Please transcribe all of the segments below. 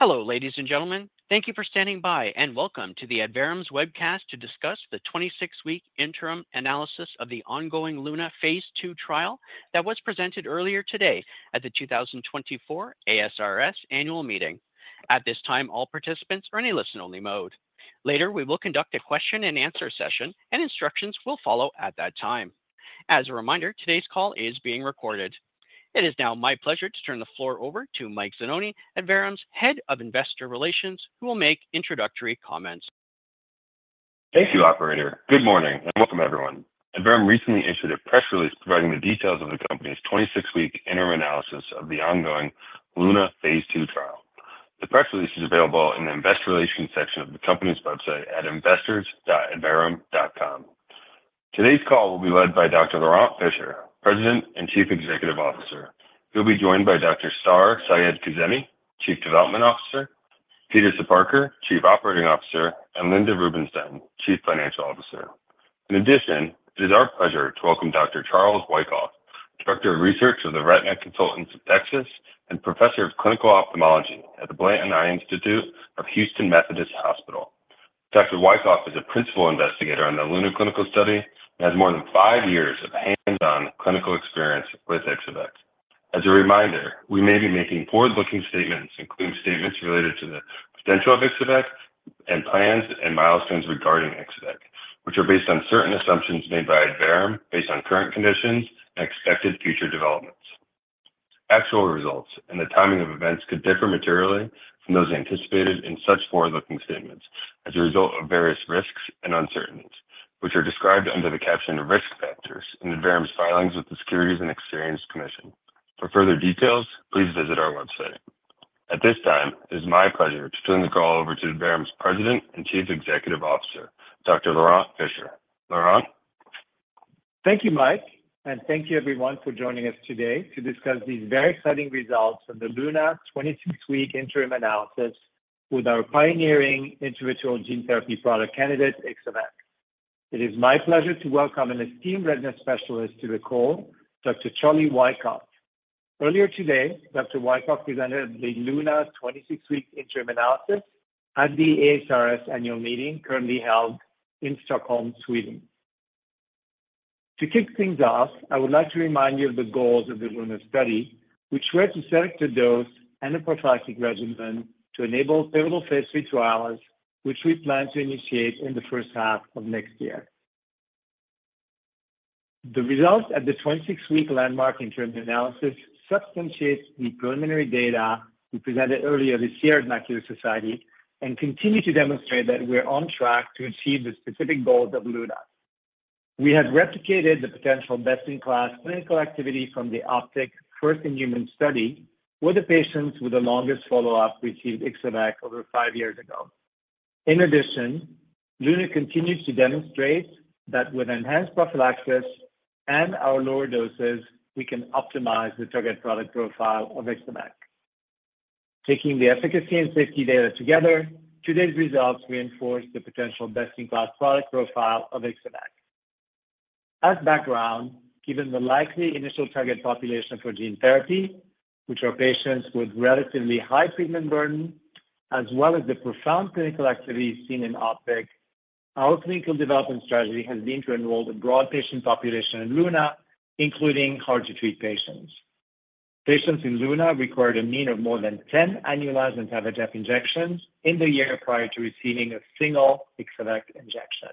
Hello, ladies and gentlemen. Thank you for standing by, and welcome to the Adverum's webcast to discuss the 26-week interim analysis of the ongoing LUNA phase II trial that was presented earlier today at the 2024 ASRS annual meeting. At this time, all participants are in a listen-only mode. Later, we will conduct a question-and-answer session, and instructions will follow at that time. As a reminder, today's call is being recorded. It is now my pleasure to turn the floor over to Mike Zanoni, Adverum's Head of Investor Relations, who will make introductory comments. Thank you, operator. Good morning, and welcome everyone. Adverum recently issued a press release providing the details of the company's 26-week interim analysis of the ongoing LUNA phase II trial. The press release is available in the Investor Relations section of the company's website at investors.adverum.com. Today's call will be led by Dr. Laurent Fischer, President and Chief Executive Officer, who'll be joined by Dr. Star Seyedkazemi, Chief Development Officer, Peter Soparkar, Chief Operating Officer, and Linda Rubinstein, Chief Financial Officer. In addition, it is our pleasure to welcome Dr. Charles Wykoff, Director of Research of the Retina Consultants of Texas and Professor of Clinical Ophthalmology at the Blanton Eye Institute of Houston Methodist Hospital. Dr. Wykoff is a principal investigator on the LUNA clinical study and has more than five years of hands-on clinical experience with Ixo-vec. As a reminder, we may be making forward-looking statements, including statements related to the potential of Ixo-vec and plans and milestones regarding Ixo-vec, which are based on certain assumptions made by Adverum, based on current conditions and expected future developments. Actual results and the timing of events could differ materially from those anticipated in such forward-looking statements as a result of various risks and uncertainties, which are described under the caption of Risk Factors in Adverum's filings with the Securities and Exchange Commission. For further details, please visit our website. At this time, it is my pleasure to turn the call over to Adverum's President and Chief Executive Officer, Dr. Laurent Fischer. Laurent? Thank you, Mike, and thank you everyone for joining us today to discuss these very exciting results of the LUNA 26-week interim analysis with our pioneering intravitreal gene therapy product candidate, Ixo-vec. It is my pleasure to welcome an esteemed retina specialist to the call, Dr. Charles Wykoff. Earlier today, Dr. Wykoff presented the LUNA 26-week interim analysis at the ASRS annual meeting, currently held in Stockholm, Sweden. To kick things off, I would like to remind you of the goals of the LUNA study, which were to select a dose and a prophylactic regimen to enable pivotal phase III trials, which we plan to initiate in the first half of next year. The results at the 26-week landmark interim analysis substantiates the preliminary data we presented earlier this year at Macula Society and continue to demonstrate that we're on track to achieve the specific goals of LUNA. We have replicated the potential best-in-class clinical activity from the OPTIC first-in-human study, where the patients with the longest follow-up received Ixo-vec over five years ago. In addition, LUNA continues to demonstrate that with enhanced prophylaxis and our lower doses, we can optimize the target product profile of Ixo-vec. Taking the efficacy and safety data together, today's results reinforce the potential best-in-class product profile of Ixo-vec. As background, given the likely initial target population for gene therapy, which are patients with relatively high treatment burden, as well as the profound clinical activity seen in OPTIC, our clinical development strategy has been to enroll a broad patient population in LUNA, including hard-to-treat patients. Patients in LUNA required a mean of more than 10 [aflibercept injections] in the year prior to receiving a single Ixo-vec injection.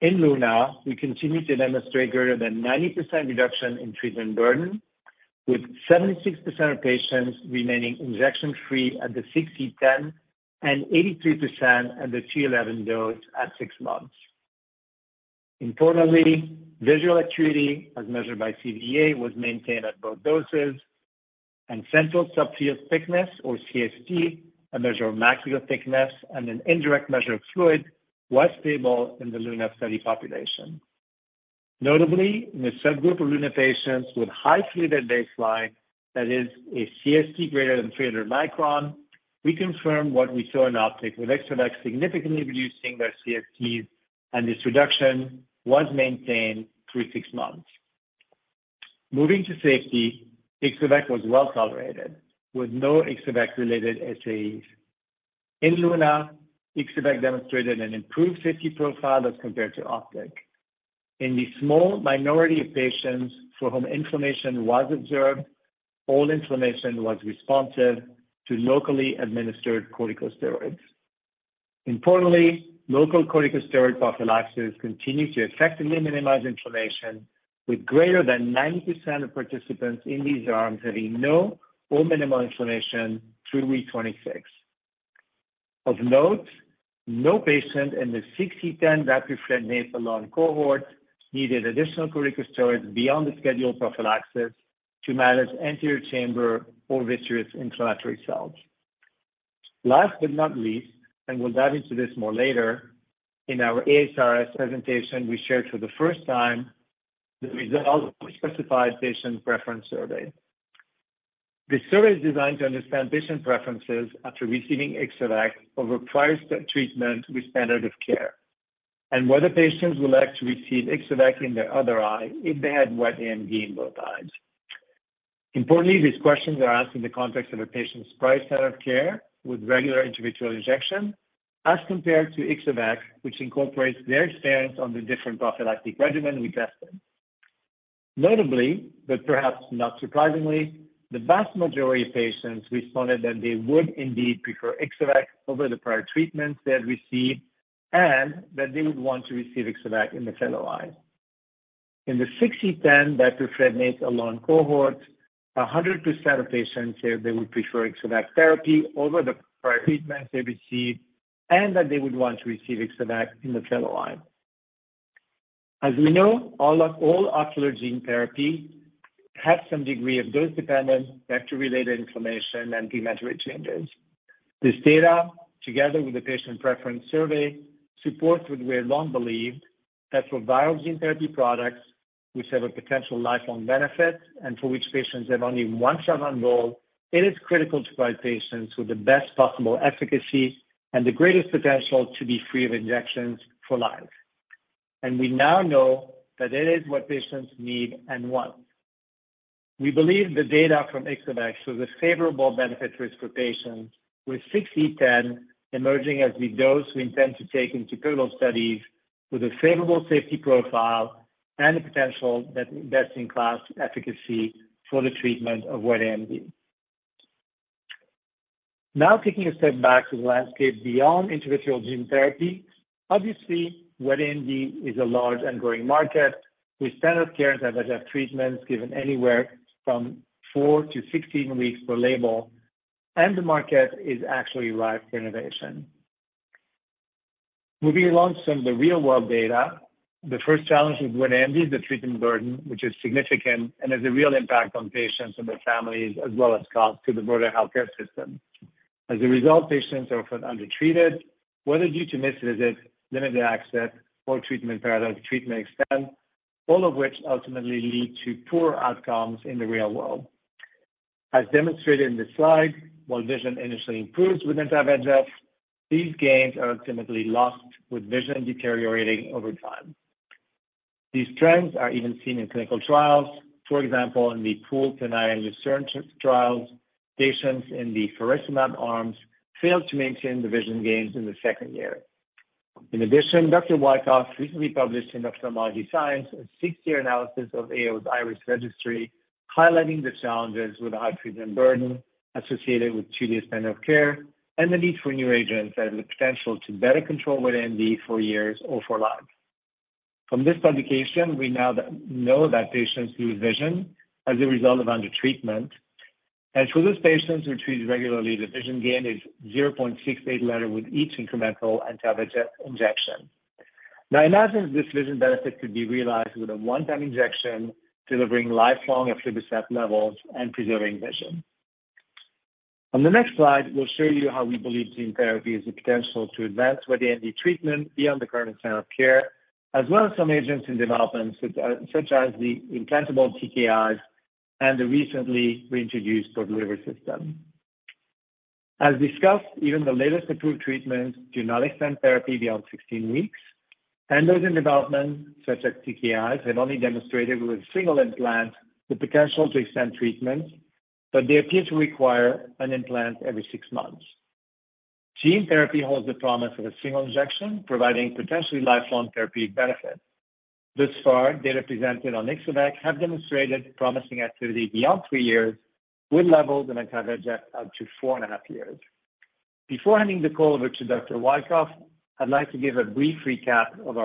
In LUNA, we continue to demonstrate greater than 90% reduction in treatment burden, with 76% of patients remaining injection-free at the 6 x 10^10 and 83% at the 2 x 10^11 dose at six months. Importantly, visual acuity, as measured by BCVA, was maintained at both doses, and central subfield thickness, or CST, a measure of macular thickness and an indirect measure of fluid, was stable in the LUNA study population. Notably, in a subgroup of LUNA patients with high fluid at baseline, that is a CST greater than 300 microns, we confirm what we saw in OPTIC, with Ixo-vec significantly reducing their CSTs, and this reduction was maintained through six months. Moving to safety, Ixo-vec was well-tolerated, with no Ixo-vec-related SAEs. In LUNA, Ixo-vec demonstrated an improved safety profile as compared to OPTIC. In the small minority of patients for whom inflammation was observed, all inflammation was responsive to locally administered corticosteroids. Importantly, local corticosteroid prophylaxis continues to effectively minimize inflammation, with greater than 90% of participants in these arms having no or minimal inflammation through week 26. Of note, no patient in the 6E10 difluprednate alone cohort needed additional corticosteroids beyond the scheduled prophylaxis to manage anterior chamber or vitreous inflammatory cells. Last but not least, and we'll dive into this more later, in our ASRS presentation, we shared for the first time the results of a specified patient preference survey. The survey is designed to understand patient preferences after receiving Ixo-vec over prior treatment with standard of care... and whether patients would like to receive Ixo-vec in their other eye if they had wet AMD in both eyes. Importantly, these questions are asked in the context of a patient's prior standard of care with regular intravitreal injection, as compared to Ixo-vec, which incorporates their experience on the different prophylactic regimen we tested. Notably, but perhaps not surprisingly, the vast majority of patients responded that they would indeed prefer Ixo-vec over the prior treatments they had received, and that they would want to receive Ixo-vec in the fellow eye. In the 6E10 difluprednate alone cohort, 100% of patients said they would prefer Ixo-vec therapy over the prior treatment they received, and that they would want to receive Ixo-vec in the fellow eye. As we know, all of all ocular gene therapy have some degree of dose-dependent, vector-related inflammation and endothelial changes. This data, together with the patient preference survey, supports what we have long believed, that for viral gene therapy products, which have a potential lifelong benefit and for which patients have only one shot on goal, it is critical to provide patients with the best possible efficacy and the greatest potential to be free of injections for life. We now know that it is what patients need and want. We believe the data from Ixo-vec shows a favorable benefit risk for patients, with 6E10 emerging as the dose we intend to take into clinical studies with a favorable safety profile and the potential that best-in-class efficacy for the treatment of wet AMD. Now, taking a step back to the landscape beyond intravitreal gene therapy, obviously, wet AMD is a large and growing market, with standard of care anti-VEGF treatments given anywhere from four to 16 weeks per label, and the market is actually ripe for innovation. Moving along some of the real-world data, the first challenge with wet AMD is the treatment burden, which is significant and has a real impact on patients and their families, as well as cost to the broader healthcare system. As a result, patients are often undertreated, whether due to missed visits, limited access, or treatment paradox, treatment extent, all of which ultimately lead to poor outcomes in the real world. As demonstrated in this slide, while vision initially improves with anti-VEGF, these gains are ultimately lost, with vision deteriorating over time. These trends are even seen in clinical trials. For example, in the pooled TENAYA and LUCERNE trials, patients in the faricimab arms failed to maintain the vision gains in the second year. In addition, Dr. Wykoff recently published in Ophthalmology Science a six-year analysis of AAO's IRIS Registry, highlighting the challenges with the high treatment burden associated with today's standard of care and the need for new agents that have the potential to better control wet AMD for years or for life. From this publication, we now know that patients lose vision as a result of undertreatment, and for those patients who are treated regularly, the vision gain is 0.68 letter with each incremental anti-VEGF injection. Now, imagine if this vision benefit could be realized with a one-time injection, delivering lifelong aflibercept levels and preserving vision. On the next slide, we'll show you how we believe gene therapy has the potential to advance wet AMD treatment beyond the current standard of care, as well as some agents in development, such as the implantable TKIs and the recently reintroduced port delivery system. As discussed, even the latest approved treatments do not extend therapy beyond 16 weeks, and those in development, such as TKIs, have only demonstrated with a single implant the potential to extend treatment, but they appear to require an implant every six months. Gene therapy holds the promise of a single injection, providing potentially lifelong therapeutic benefit. Thus far, data presented on Ixo-vec have demonstrated promising activity beyond three years, with levels of anti-VEGF up to 4.5 years. Before handing the call over to Dr. Wykoff, I'd like to give a brief recap of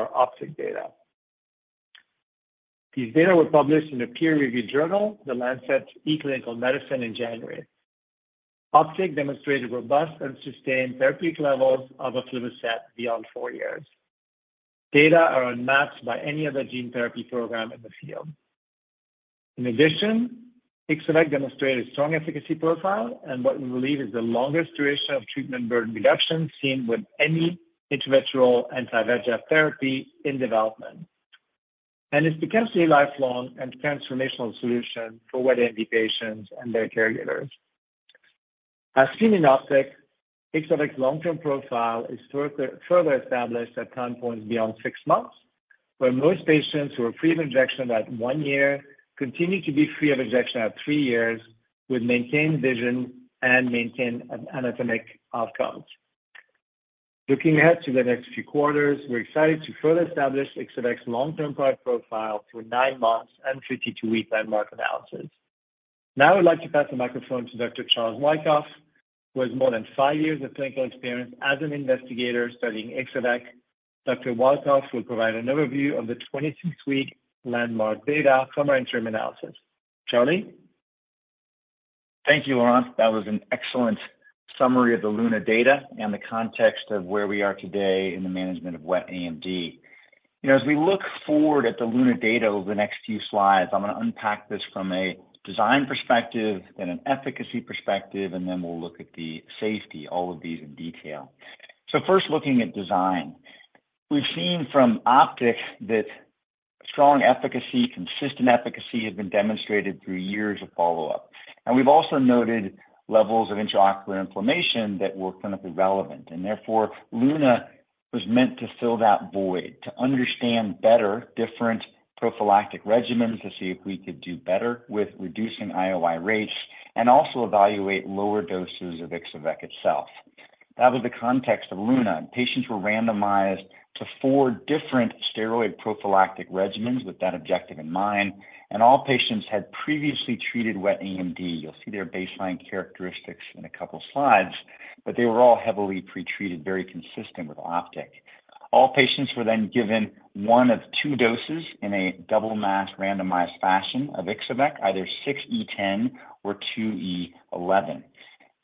our OPTIC data. These data were published in a peer-reviewed journal, The Lancet eClinicalMedicine, in January. OPTIC demonstrated robust and sustained therapeutic levels of aflibercept beyond four years. Data are unmatched by any other gene therapy program in the field. In addition, Ixo-vec demonstrated a strong efficacy profile and what we believe is the longest duration of treatment burden reduction seen with any intravitreal anti-VEGF therapy in development. It's potentially lifelong and transformational solution for wet AMD patients and their caregivers. As seen in OPTIC, Ixo-vec's long-term profile is further established at time points beyond six months, where most patients who are free of injection at one year continue to be free of injection at three years, with maintained vision and maintained anatomic outcomes. Looking ahead to the next few quarters, we're excited to further establish Ixo-vec's long-term product profile through nine months and 52-week landmark analysis. Now, I would like to pass the microphone to Dr. Charles Wykoff, who has more than five years of clinical experience as an investigator studying Ixo-vec. Dr. Wykoff will provide an overview of the 26-week landmark data from our interim analysis. Charlie? Thank you, Laurent. That was an excellent summary of the LUNA data and the context of where we are today in the management of wet AMD. You know, as we look forward at the LUNA data over the next few slides, I'm gonna unpack this from a design perspective, then an efficacy perspective, and then we'll look at the safety, all of these in detail. So first, looking at design. We've seen from OPTIC that strong efficacy, consistent efficacy has been demonstrated through years of follow-up. And we've also noted levels of intraocular inflammation that were clinically relevant, and therefore, LUNA was meant to fill that void, to understand better different prophylactic regimens, to see if we could do better with reducing IOI rates, and also evaluate lower doses of Ixo-vec itself. That was the context of LUNA. Patients were randomized to four different steroid prophylactic regimens with that objective in mind, and all patients had previously treated wet AMD. You'll see their baseline characteristics in a couple slides, but they were all heavily pretreated, very consistent with OPTIC. All patients were then given one of two doses in a double-masked, randomized fashion of Ixo-vec, either 6E10 or 2E11.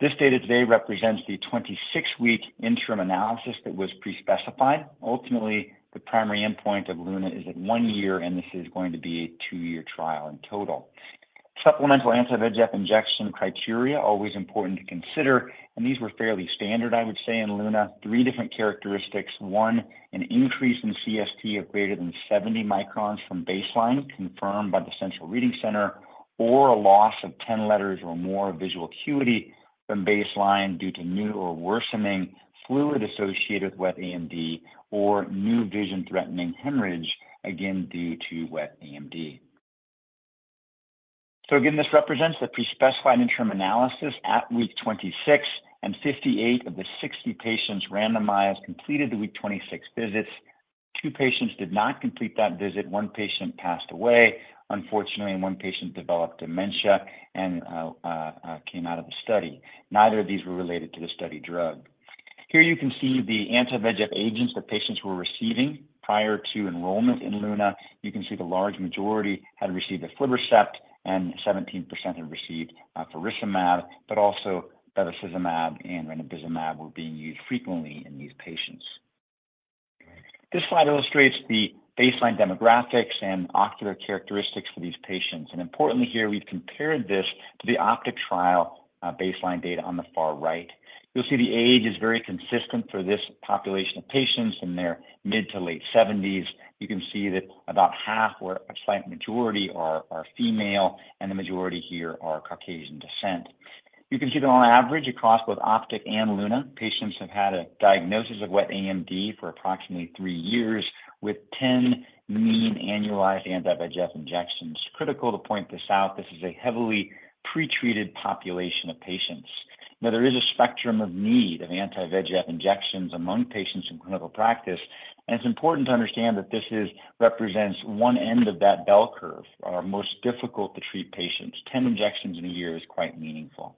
This data today represents the 26-week interim analysis that was pre-specified. Ultimately, the primary endpoint of LUNA is at one year, and this is going to be a two-year trial in total. Supplemental anti-VEGF injection criteria, always important to consider, and these were fairly standard, I would say, in LUNA. Three different characteristics. One, an increase in CST of greater than 70 microns from baseline, confirmed by the Central Reading Center, or a loss of 10 letters or more of visual acuity from baseline due to new or worsening fluid-associated wet AMD or new vision-threatening hemorrhage, again, due to wet AMD. So again, this represents the pre-specified interim analysis at week 26, and 58 of the 60 patients randomized completed the week 26 visits. Two patients did not complete that visit. One patient passed away, unfortunately, and one patient developed dementia and came out of the study. Neither of these were related to the study drug. Here you can see the anti-VEGF agents that patients were receiving prior to enrollment in LUNA. You can see the large majority had received aflibercept, and 17% had received faricimab, but also bevacizumab and ranibizumab were being used frequently in these patients. This slide illustrates the baseline demographics and ocular characteristics for these patients, and importantly, here, we've compared this to the OPTIC trial baseline data on the far right. You'll see the age is very consistent for this population of patients in their mid to late 70s. You can see that about half or a slight majority are female, and the majority here are Caucasian descent. You can see that on average, across both OPTIC and LUNA, patients have had a diagnosis of wet AMD for approximately three years, with 10 mean annualized anti-VEGF injections. Critical to point this out, this is a heavily pretreated population of patients. Now, there is a spectrum of need of anti-VEGF injections among patients in clinical practice, and it's important to understand that this represents one end of that bell curve, our most difficult to treat patients. 10 injections in a year is quite meaningful.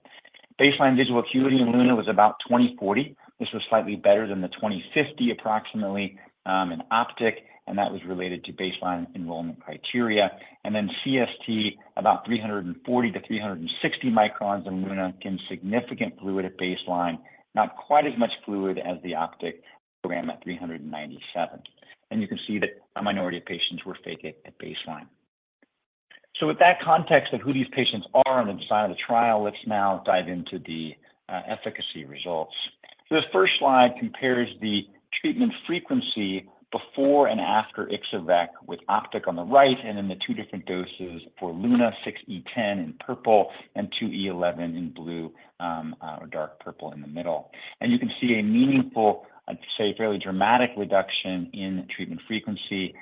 Baseline visual acuity in LUNA was about [20/40]. This was slightly better than the 20/50, approximately, in OPTIC, and that was related to baseline enrollment criteria. Then CST, about 340-360 microns in LUNA, again, significant fluid at baseline, not quite as much fluid as the OPTIC program at 397. And you can see that a minority of patients were phakic at baseline. So with that context of who these patients are on the side of the trial, let's now dive into the efficacy results. This first slide compares the treatment frequency before and after Ixo-vec, with OPTIC on the right and then the two different doses for LUNA, 6 × 10^10 in purple and 2 × 10^11 in blue, or dark purple in the middle. You can see a meaningful, I'd say, fairly dramatic reduction in treatment frequency,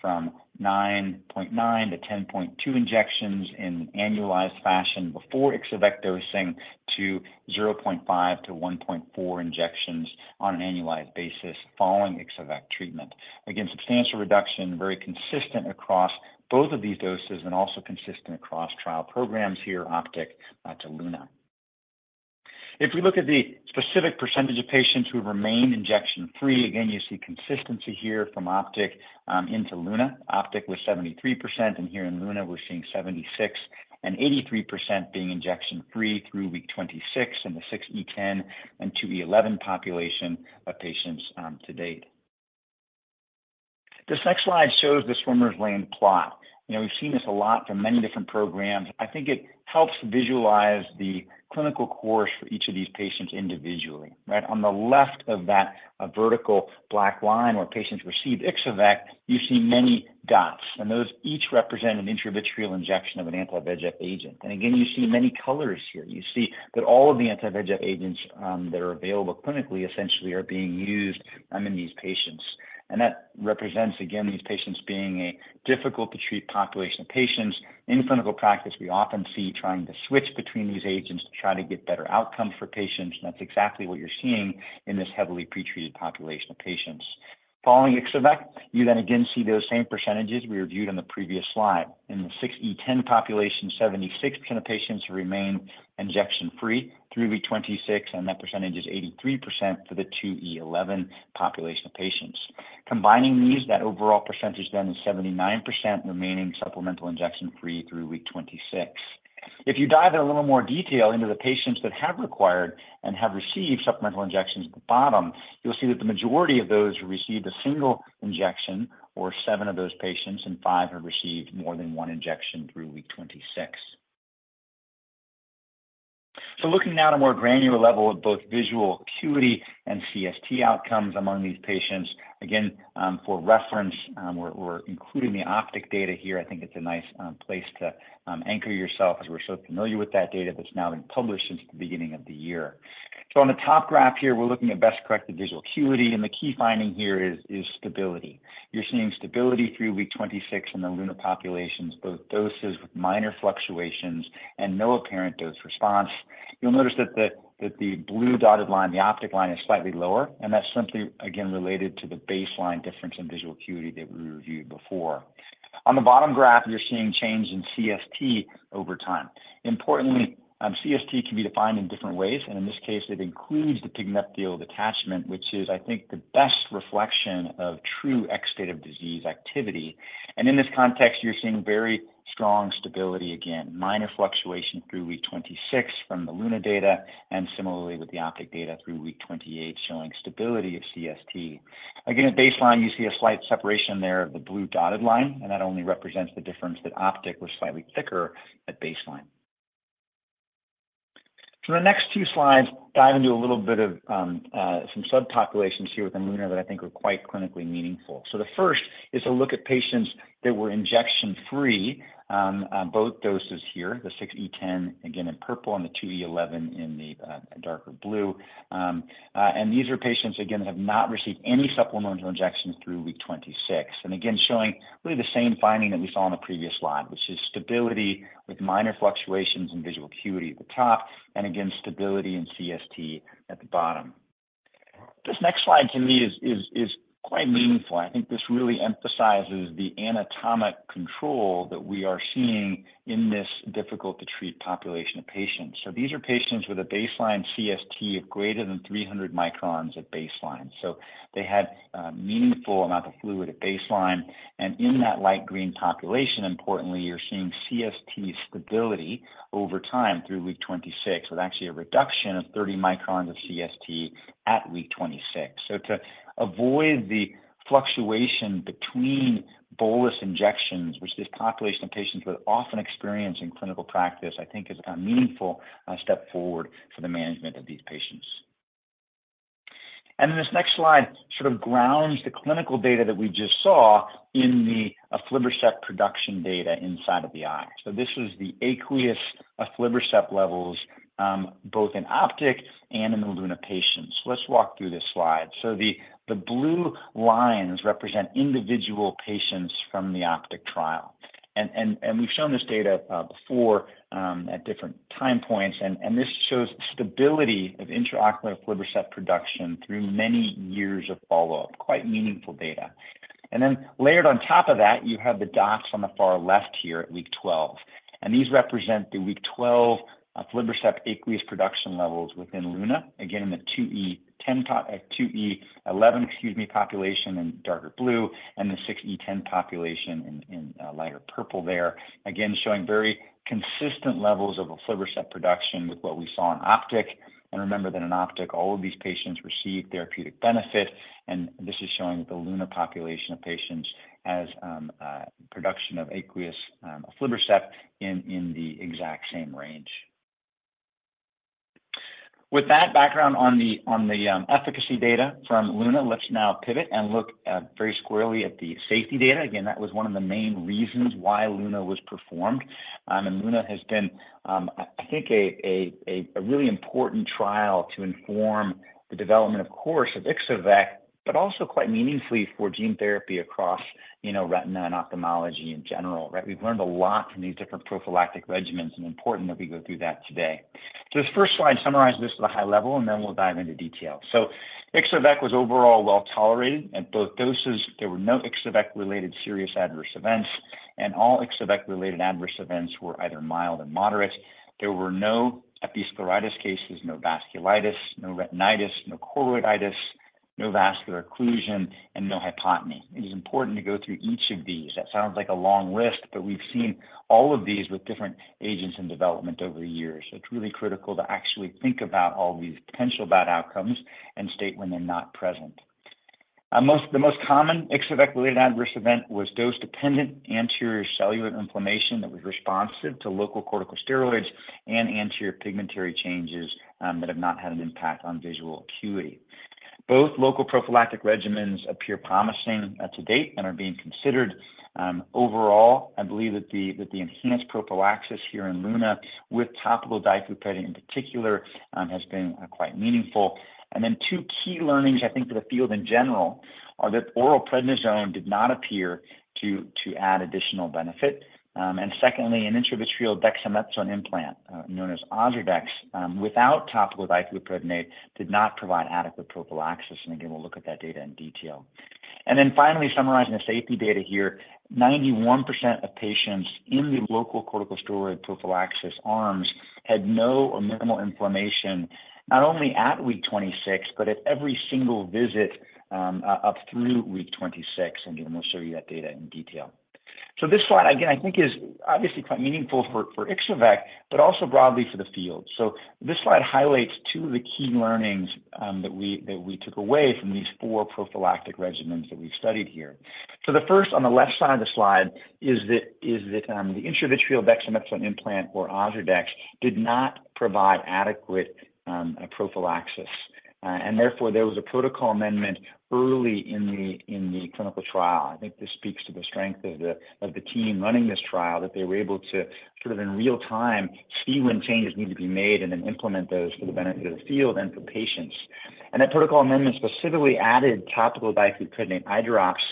from 9.9-10.2 injections in annualized fashion before Ixo-vec dosing to 0.5-1.4 injections on an annualized basis following Ixo-vec treatment. Again, substantial reduction, very consistent across both of these doses and also consistent across trial programs here, OPTIC to LUNA. If we look at the specific percentage of patients who remain injection-free, again, you see consistency here from OPTIC into LUNA. OPTIC was 73%, and here in LUNA, we're seeing 76% and 83% being injection-free through week 26 in the 6E10 and 2E11 population of patients to date. This next slide shows the swimmer's lane plot. You know, we've seen this a lot from many different programs. I think it helps visualize the clinical course for each of these patients individually. Right on the left of that, a vertical black line where patients receive Ixo-vec, you see many dots, and those each represent an intravitreal injection of an anti-VEGF agent. Again, you see many colors here. You see that all of the anti-VEGF agents that are available clinically, essentially, are being used in these patients. That represents, again, these patients being a difficult to treat population of patients. In clinical practice, we often see trying to switch between these agents to try to get better outcomes for patients, and that's exactly what you're seeing in this heavily pretreated population of patients. Following Ixo-vec, you then again see those same percentages we reviewed on the previous slide. In the 6E10 population, 76% of patients remain injection-free through week 26, and that percentage is 83% for the 2E11 population of patients. Combining these, that overall percentage then is 79% remaining supplemental injection-free through week 26. If you dive in a little more detail into the patients that have required and have received supplemental injections at the bottom, you'll see that the majority of those received a single injection, or seven of those patients, and five have received more than one injection through week 26. So looking now at a more granular level of both visual acuity and CST outcomes among these patients. Again, for reference, we're including the OPTIC data here. I think it's a nice place to anchor yourself as we're so familiar with that data that's now been published since the beginning of the year. So on the top graph here, we're looking at best-corrected visual acuity, and the key finding here is stability. You're seeing stability through week 26 in the LUNA populations, both doses with minor fluctuations and no apparent dose response. You'll notice that the blue dotted line, the OPTIC line, is slightly lower, and that's simply, again, related to the baseline difference in visual acuity that we reviewed before. On the bottom graph, you're seeing change in CST over time. Importantly, CST can be defined in different ways, and in this case, it includes the pigment epithelial detachment, which is, I think, the best reflection of true state of disease activity. In this context, you're seeing very strong stability, again, minor fluctuation through week 26 from the LUNA data, and similarly with the OPTIC data through week 28 showing stability of CST. Again, at baseline, you see a slight separation there of the blue dotted line, and that only represents the difference that OPTIC was slightly thicker at baseline. The next two slides dive into a little bit of some subpopulations here within LUNA that I think are quite clinically meaningful. The first is a look at patients that were injection-free on both doses here, the 6E10, again, in purple and the 2E11 in the darker blue. And these are patients, again, that have not received any supplemental injections through week 26. And again, showing really the same finding that we saw on the previous slide, which is stability with minor fluctuations in visual acuity at the top, and again, stability in CST at the bottom. This next slide to me is quite meaningful. I think this really emphasizes the anatomic control that we are seeing in this difficult to treat population of patients. So these are patients with a baseline CST of greater than 300 microns at baseline. So they had a meaningful amount of fluid at baseline, and in that light green population, importantly, you're seeing CST stability over time through week 26, with actually a reduction of 30 microns of CST at week 26. So to avoid the fluctuation between bolus injections, which this population of patients would often experience in clinical practice, I think is a meaningful step forward for the management of these patients. And then this next slide sort of grounds the clinical data that we just saw in the aflibercept production data inside of the eye. So this is the aqueous aflibercept levels, both in OPTIC and in the LUNA patients. Let's walk through this slide. So the blue lines represent individual patients from the OPTIC trial. And we've shown this data before at different time points, and this shows stability of intraocular aflibercept production through many years of follow-up, quite meaningful data. And then layered on top of that, you have the dots on the far left here at week 12, and these represent the week 12 aflibercept aqueous production levels within LUNA. Again, in the 2E11, excuse me, population in darker blue, and the 6E10 population in lighter purple there. Again, showing very consistent levels of aflibercept production with what we saw in OPTIC. And remember that in OPTIC, all of these patients received therapeutic benefit, and this is showing the LUNA population of patients as production of aqueous aflibercept in the exact same range. With that background on the efficacy data from LUNA, let's now pivot and look very squarely at the safety data. Again, that was one of the main reasons why LUNA was performed. And LUNA has been, I think a really important trial to inform the development, of course, of Ixo-vec, but also quite meaningfully for gene therapy across, you know, retina and ophthalmology in general, right? We've learned a lot from these different prophylactic regimens, and important that we go through that today. So this first slide summarizes this at a high level, and then we'll dive into detail. So Ixo-vec was overall well-tolerated at both doses. There were no Ixo-vec-related serious adverse events, and all Ixo-vec-related adverse events were either mild or moderate. There were no episcleritis cases, no vasculitis, no retinitis, no choroiditis, no vascular occlusion, and no hypotony. It is important to go through each of these. That sounds like a long list, but we've seen all of these with different agents in development over the years. So it's really critical to actually think about all these potential bad outcomes and state when they're not present. The most common Ixo-vec-related adverse event was dose-dependent anterior cellular inflammation that was responsive to local corticosteroids and anterior pigmentary changes that have not had an impact on visual acuity. Both local prophylactic regimens appear promising to date and are being considered. Overall, I believe that the enhanced prophylaxis here in LUNA with topical diclofenac, in particular, has been quite meaningful. And then two key learnings, I think, for the field in general, are that oral prednisone did not appear to add additional benefit. And secondly, an intravitreal dexamethasone implant known as OZURDEX without topical diclofenac did not provide adequate prophylaxis, and again, we'll look at that data in detail. Then finally, summarizing the safety data here, 91% of patients in the local corticosteroid prophylaxis arms had no or minimal inflammation, not only at week 26, but at every single visit, up through week 26, and again, we'll show you that data in detail. So this slide, again, I think is obviously quite meaningful for Ixo-vec, but also broadly for the field. So this slide highlights two of the key learnings that we took away from these four prophylactic regimens that we've studied here. So the first, on the left side of the slide, is that the intravitreal dexamethasone implant or OZURDEX did not provide adequate prophylaxis, and therefore, there was a protocol amendment early in the clinical trial. I think this speaks to the strength of the team running this trial, that they were able to sort of in real-time see when changes need to be made and then implement those for the benefit of the field and for patients. That protocol amendment specifically added topical difluprednate eye drops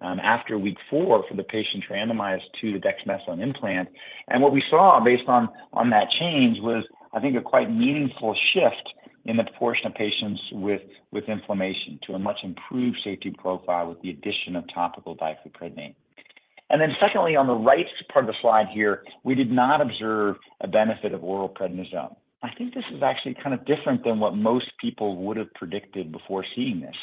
after week four for the patients randomized to the dexamethasone implant. What we saw based on that change was, I think, a quite meaningful shift in the proportion of patients with inflammation to a much improved safety profile with the addition of topical difluprednate. Then secondly, on the right part of the slide here, we did not observe a benefit of oral prednisone. I think this is actually kind of different than what most people would have predicted before seeing this.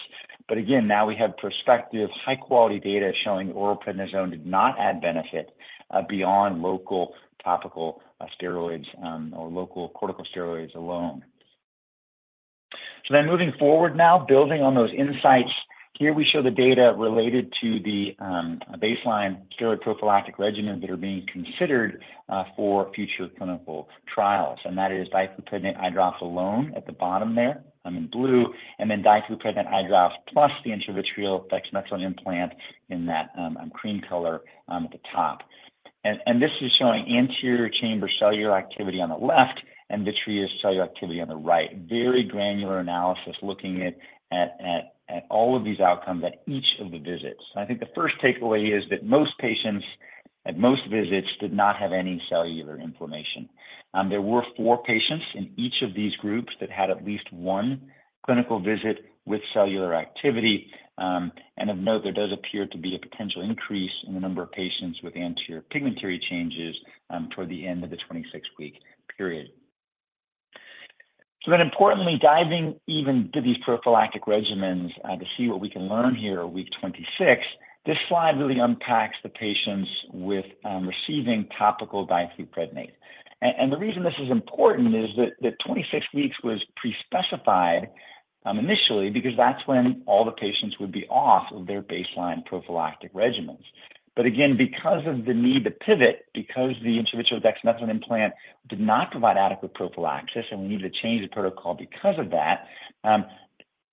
But again, now we have prospective high-quality data showing oral prednisone did not add benefit beyond local topical steroids, or local corticosteroids alone. So then moving forward now, building on those insights, here we show the data related to the baseline steroid prophylactic regimens that are being considered for future clinical trials. And that is difluprednate eye drops alone at the bottom there, in blue, and then difluprednate eye drops plus the intravitreal dexamethasone implant in that cream color, at the top. And this is showing anterior chamber cellular activity on the left and vitreous cellular activity on the right. Very granular analysis, looking at all of these outcomes at each of the visits. I think the first takeaway is that most patients at most visits did not have any cellular inflammation. There were four patients in each of these groups that had at least one clinical visit with cellular activity. And of note, there does appear to be a potential increase in the number of patients with anterior pigmentary changes toward the end of the 26-week period. Then importantly, diving even to these prophylactic regimens to see what we can learn here at week 26, this slide really unpacks the patients with receiving topical difluprednate. And the reason this is important is that the 26 weeks was pre-specified initially, because that's when all the patients would be off of their baseline prophylactic regimens. But again, because of the need to pivot, because the intravitreal dexamethasone implant did not provide adequate prophylaxis, and we needed to change the protocol because of that,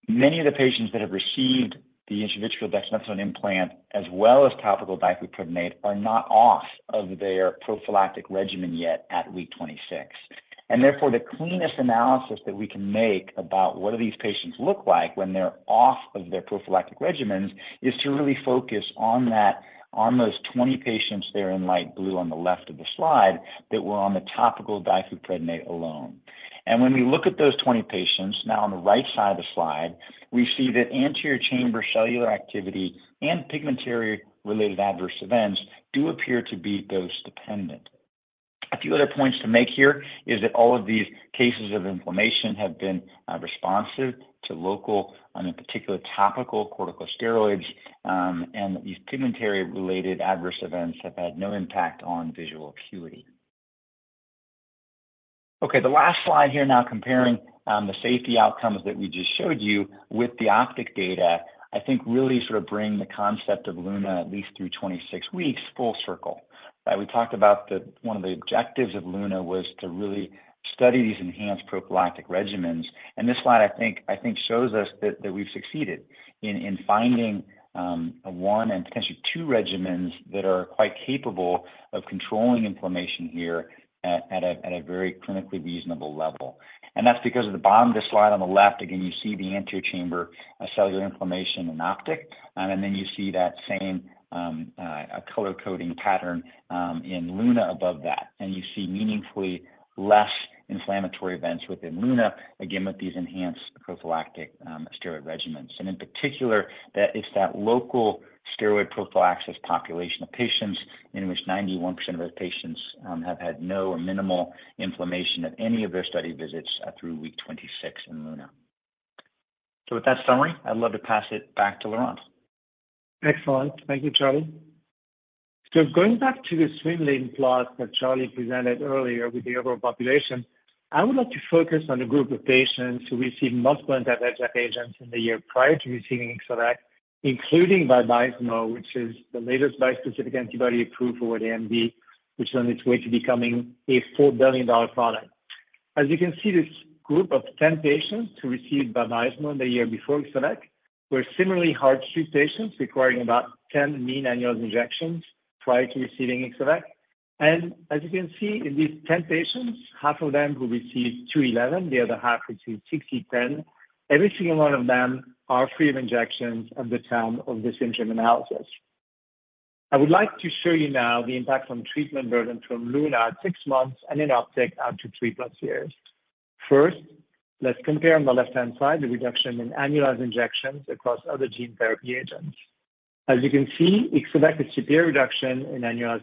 many of the patients that have received the intravitreal dexamethasone implant, as well as topical difluprednate, are not off of their prophylactic regimen yet at week 26. And therefore, the cleanest analysis that we can make about what do these patients look like when they're off of their prophylactic regimens, is to really focus on that, on those 20 patients there in light blue on the left of the slide, that were on the topical difluprednate alone. And when we look at those 20 patients, now on the right side of the slide, we see that anterior chamber cellular activity and pigmentary-related adverse events do appear to be dose-dependent. A few other points to make here is that all of these cases of inflammation have been responsive to local, in particular, topical corticosteroids, and these pigmentary-related adverse events have had no impact on visual acuity. Okay, the last slide here now comparing the safety outcomes that we just showed you with the OPTIC data, I think really sort of bring the concept of LUNA, at least through 26 weeks, full circle. Right, we talked about the one of the objectives of LUNA was to really study these enhanced prophylactic regimens, and this slide, I think, I think, shows us that, that we've succeeded in, in finding one and potentially two regimens that are quite capable of controlling inflammation here at a, at a very clinically reasonable level. That's because at the bottom of the slide on the left, again, you see the anterior chamber cell inflammation in OPTIC, and then you see that same color-coding pattern in LUNA above that. You see meaningfully less inflammatory events within LUNA, again, with these enhanced prophylactic steroid regimens. In particular, that it's that local steroid prophylaxis population of patients in which 91% of those patients have had no or minimal inflammation at any of their study visits through week 26 in LUNA. So with that summary, I'd love to pass it back to Laurent. Excellent. Thank you, Charlie. So going back to the swimlane plot that Charlie presented earlier with the overall population, I would like to focus on a group of patients who received multiple anti-VEGF agents in the year prior to receiving Ixo-vec, including VABYSMO, which is the latest bispecific antibody approved for the AMD, which is on its way to becoming a $4 billion product. As you can see, this group of 10 patients who received VABYSMO the year before Ixo-vec, were similarly hard to treat patients, requiring about 10 mean annual injections prior to receiving Ixo-vec. And as you can see, in these 10 patients, half of them who received 2E11, the other half received 6E10. Every single one of them are free of injections at the time of the six-month analysis. I would like to show you now the impact on treatment burden from LUNA at six months and in OPTIC out to 3+ years. First, let's compare on the left-hand side, the reduction in annualized injections across other gene therapy agents. As you can see, Ixo-vec is superior reduction in annual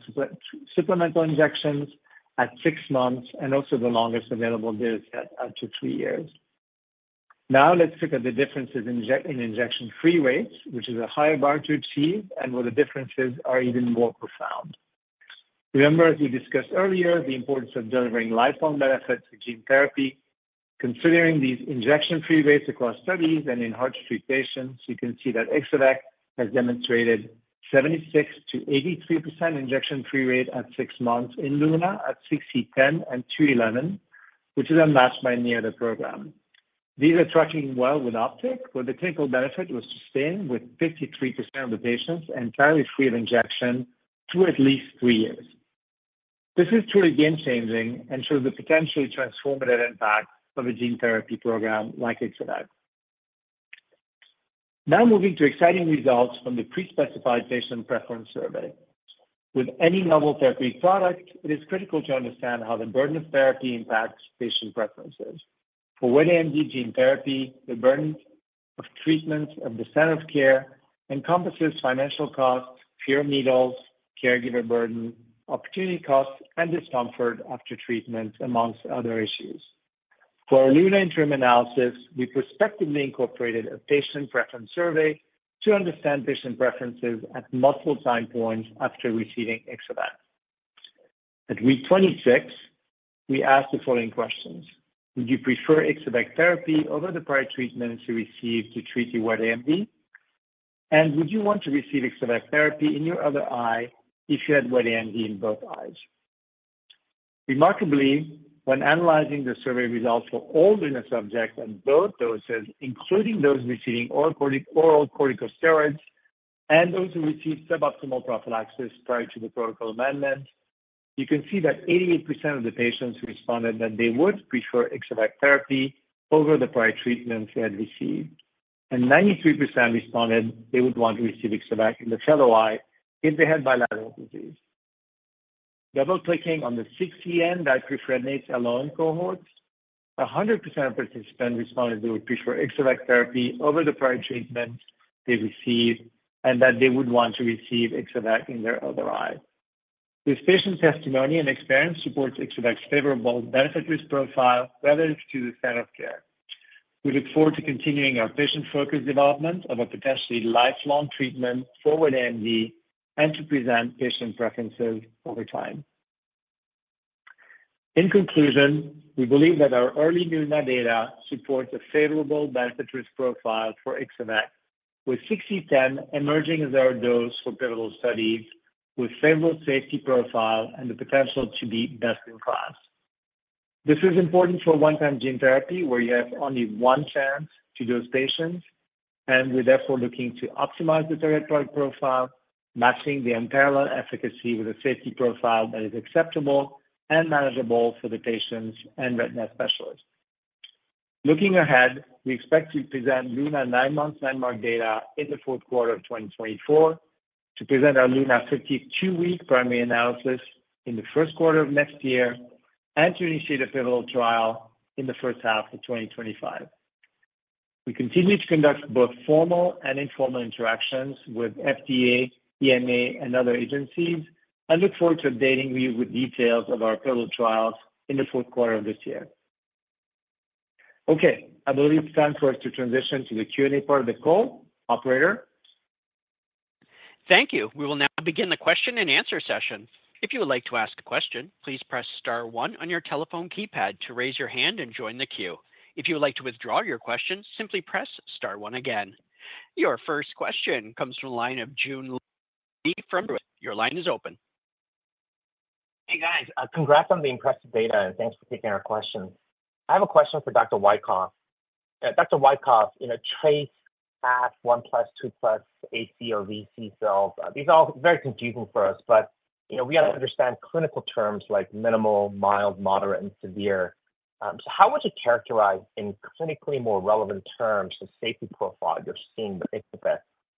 supplemental injections at six months and also the longest available data set up to three years. Now, let's look at the differences in injection-free rates, which is a higher bar to achieve and where the differences are even more profound. Remember, as we discussed earlier, the importance of delivering lifelong benefits to gene therapy. Considering these injection-free rates across studies and in hard-to-treat patients, you can see that Ixo-vec has demonstrated 76%-83% injection-free rate at six months in LUNA at 6E10 and 2E11, which is unmatched by any other program. These are tracking well with OPTIC, where the clinical benefit was sustained, with 53% of the patients entirely free of injection through at least three years. This is truly game-changing and shows the potentially transformative impact of a gene therapy program like Ixo-vec. Now moving to exciting results from the pre-specified patient preference survey. With any novel therapy product, it is critical to understand how the burden of therapy impacts patient preferences. For wet AMD gene therapy, the burden of treatment of the standard of care encompasses financial costs, fear of needles, caregiver burden, opportunity costs, and discomfort after treatment, among other issues. For our LUNA interim analysis, we prospectively incorporated a patient preference survey to understand patient preferences at multiple time points after receiving Ixo-vec. At week 26, we asked the following questions: Would you prefer Ixo-vec therapy over the prior treatment you received to treat your wet AMD? And would you want to receive Ixo-vec therapy in your other eye if you had wet AMD in both eyes? Remarkably, when analyzing the survey results for all LUNA subjects on both doses, including those receiving oral corticosteroids and those who received suboptimal prophylaxis prior to the protocol amendment, you can see that 88% of the patients responded that they would prefer Ixo-vec therapy over the prior treatment they had received, and 93% responded they would want to receive Ixo-vec in the fellow eye if they had bilateral disease. Double-clicking on the difluprednate alone cohorts, 100% of participants responded they would prefer Ixo-vec therapy over the prior treatment they received, and that they would want to receive Ixo-vec in their other eye. This patient testimony and experience supports Ixo-vec's favorable benefit-risk profile relative to the standard of care. We look forward to continuing our patient-focused development of a potentially lifelong treatment for wet AMD and to present patient preferences over time. In conclusion, we believe that our early LUNA data supports a favorable benefit-risk profile for Ixo-vec, with 6 × 10^10 emerging as our dose for pivotal studies with favorable safety profile and the potential to be best in class. This is important for a one-time gene therapy, where you have only one chance to dose patients, and we're therefore looking to optimize the therapeutic profile, matching the unparalleled efficacy with a safety profile that is acceptable and manageable for the patients and retina specialists. Looking ahead, we expect to present LUNA nine-month landmark data in the fourth quarter of 2024, to present our LUNA 52-week primary analysis in the first quarter of next year, and to initiate a pivotal trial in the first half of 2025. We continue to conduct both formal and informal interactions with FDA, EMA, and other agencies, and look forward to updating you with details of our pivotal trials in the fourth quarter of this year. Okay, I believe it's time for us to transition to the Q&A part of the call. Operator? Thank you. We will now begin the question-and-answer session. If you would like to ask a question, please press star one on your telephone keypad to raise your hand and join the queue. If you would like to withdraw your question, simply press star one again. Your first question comes from the line of Joon Lee from Truist Securities. Your line is open. Hey, guys. Congrats on the impressive data, and thanks for taking our question. I have a question for Dr. Wykoff. Dr. Wykoff, in a trace at 1+, 2+ AC or VC cells, these are all very confusing for us, but, you know, we have to understand clinical terms like minimal, mild, moderate, and severe. So how would you characterize, in clinically more relevant terms, the safety profile you're seeing with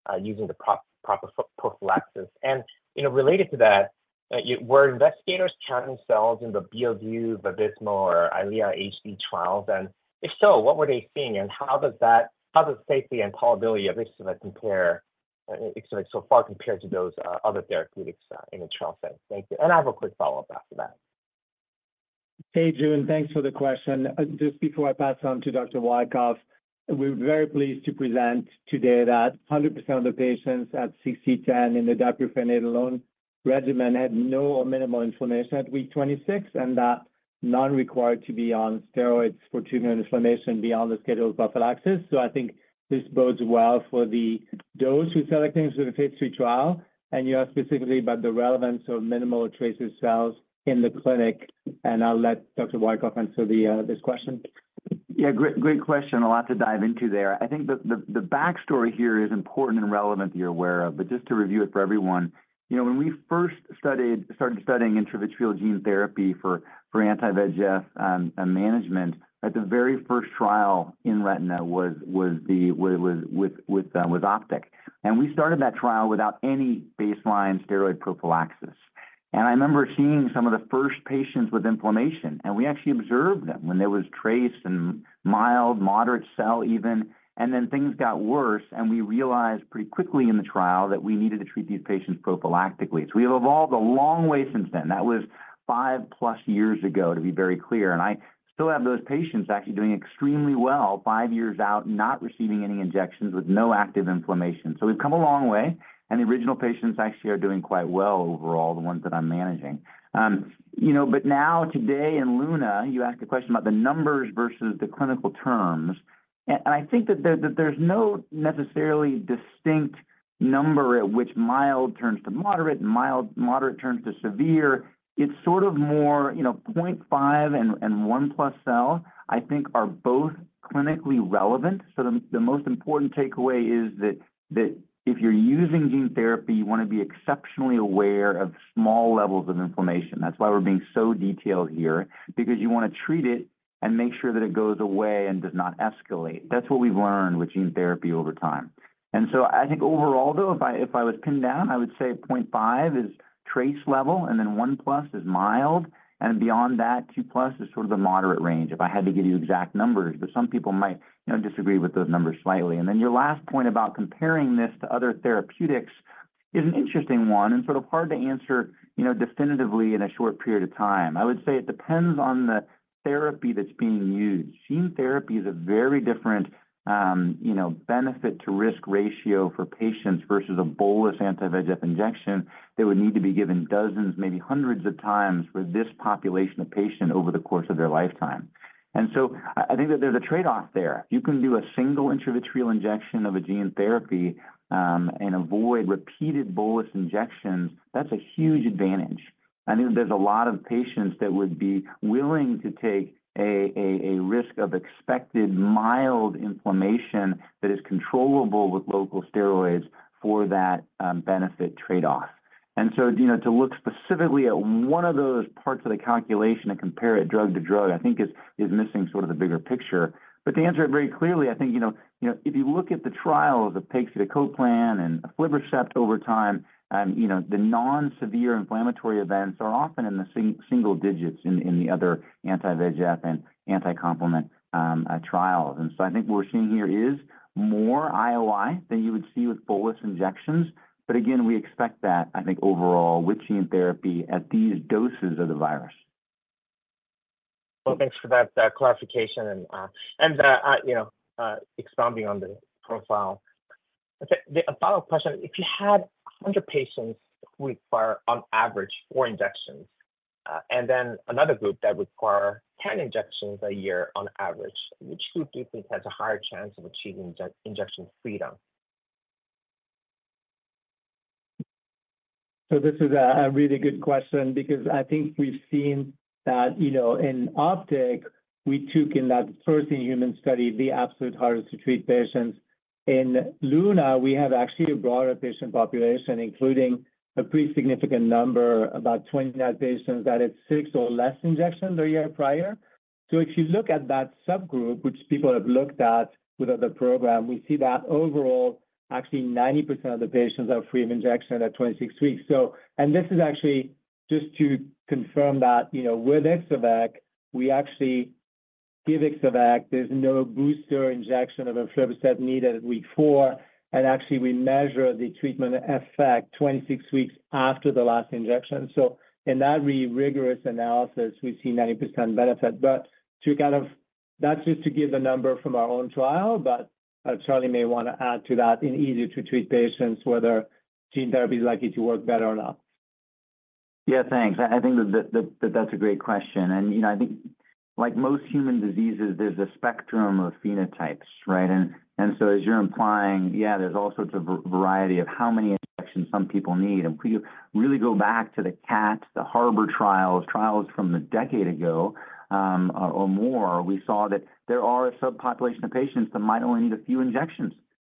Ixo-vec, using the proper prophylaxis? And, you know, related to that, were investigators counting cells in the Beovu, VABYSMO, or EYLEA HD trials? And if so, what were they seeing, and how does safety and tolerability of Ixo-vec compare, Ixo-vec so far compare to those, other therapeutics, in a trial setting? Thank you. And I have a quick follow-up after that. Hey, Joon. Thanks for the question. Just before I pass on to Dr. Wykoff, we're very pleased to present today that 100% of the patients at 6E10 in the difluprednate alone regimen had no or minimal inflammation at week 26, and that none required to be on steroids to treat inflammation beyond the scheduled prophylaxis. So I think this bodes well for the dose we're selecting for the phase III trial. And you asked specifically about the relevance of minimal trace cells in the clinic, and I'll let Dr. Wykoff answer this question. Yeah, great, great question. A lot to dive into there. I think the backstory here is important and relevant that you're aware of, but just to review it for everyone, you know, when we first started studying intravitreal gene therapy for anti-VEGF and management, at the very first trial in retina was with OPTIC. And we started that trial without any baseline steroid prophylaxis. And I remember seeing some of the first patients with inflammation, and we actually observed them when there was trace and mild, moderate cell even.... and then things got worse, and we realized pretty quickly in the trial that we needed to treat these patients prophylactically. So we have evolved a long way since then. That was 5+ years ago, to be very clear, and I still have those patients actually doing extremely well five years out, not receiving any injections, with no active inflammation. So we've come a long way, and the original patients actually are doing quite well overall, the ones that I'm managing. You know, but now, today in LUNA, you asked a question about the numbers versus the clinical terms, and, and I think that there, that there's no necessarily distinct number at which mild turns to moderate, and mild-- moderate turns to severe. It's sort of more, you know, 0.5 and, and 1+ cell, I think are both clinically relevant. So the, the most important takeaway is that, that if you're using gene therapy, you want to be exceptionally aware of small levels of inflammation. That's why we're being so detailed here, because you want to treat it and make sure that it goes away and does not escalate. That's what we've learned with gene therapy over time. And so I think overall, though, if I was pinned down, I would say 0.5 is trace level, and then 1+ is mild, and beyond that, 2+ is sort of the moderate range, if I had to give you exact numbers, but some people might, you know, disagree with those numbers slightly. And then your last point about comparing this to other therapeutics is an interesting one and sort of hard to answer, you know, definitively in a short period of time. I would say it depends on the therapy that's being used. Gene therapy is a very different, you know, benefit to risk ratio for patients versus a bolus anti-VEGF injection that would need to be given dozens, maybe hundreds of times for this population of patient over the course of their lifetime. And so I think that there's a trade-off there. You can do a single intravitreal injection of a gene therapy, and avoid repeated bolus injections. That's a huge advantage. I think there's a lot of patients that would be willing to take a risk of expected mild inflammation that is controllable with local steroids for that, benefit trade-off. And so, you know, to look specifically at one of those parts of the calculation and compare it drug to drug, I think is missing sort of the bigger picture. But to answer it very clearly, I think, you know, you know, if you look at the trials of pegcetacoplan and aflibercept over time, you know, the non-severe inflammatory events are often in the single digits in the other anti-VEGF and anti-complement trials. And so I think what we're seeing here is more IOI than you would see with bolus injections. But again, we expect that, I think overall, with gene therapy at these doses of the virus. Well, thanks for that clarification and, you know, expounding on the profile. Okay, a follow-up question, if you had 100 patients who require, on average, four injections, and then another group that require 10 injections a year on average, which group do you think has a higher chance of achieving injection freedom? So this is a, a really good question because I think we've seen that, you know, in OPTIC, we took in that first-in-human study, the absolute hardest to treat patients. In LUNA, we have actually a broader patient population, including a pretty significant number, about 29 patients, that had six or less injections a year prior. So if you look at that subgroup, which people have looked at with other program, we see that overall, actually 90% of the patients are free of injection at 26 weeks. So and this is actually just to confirm that, you know, with Ixo-vec, we actually give Ixo-vec. There's no booster injection of aflibercept needed at week four, and actually, we measure the treatment effect 26 weeks after the last injection. So in that rigorous analysis, we see 90% benefit. But to kind of—that's just to give the number from our own trial, but Charlie may want to add to that in easier-to-treat patients, whether gene therapy is likely to work better or not. Yeah, thanks. I think that's a great question. And, you know, I think like most human diseases, there's a spectrum of phenotypes, right? And so as you're implying, yeah, there's all sorts of variety of how many injections some people need. And if you really go back to the CATT, the HARBOR trials from a decade ago, or more, we saw that there are a subpopulation of patients that might only need a few injections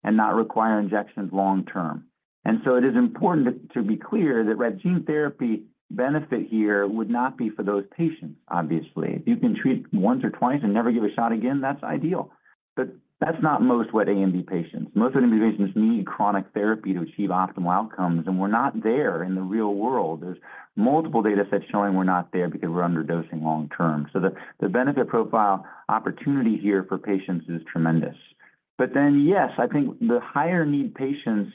and not require injections long-term. And so it is important to be clear that where gene therapy benefit here would not be for those patients, obviously. If you can treat once or twice and never give a shot again, that's ideal. But that's not most wet AMD patients. Most AMD patients need chronic therapy to achieve optimal outcomes, and we're not there in the real world. There's multiple data sets showing we're not there because we're underdosing long-term. So the benefit profile opportunity here for patients is tremendous. But then, yes, I think the higher need patients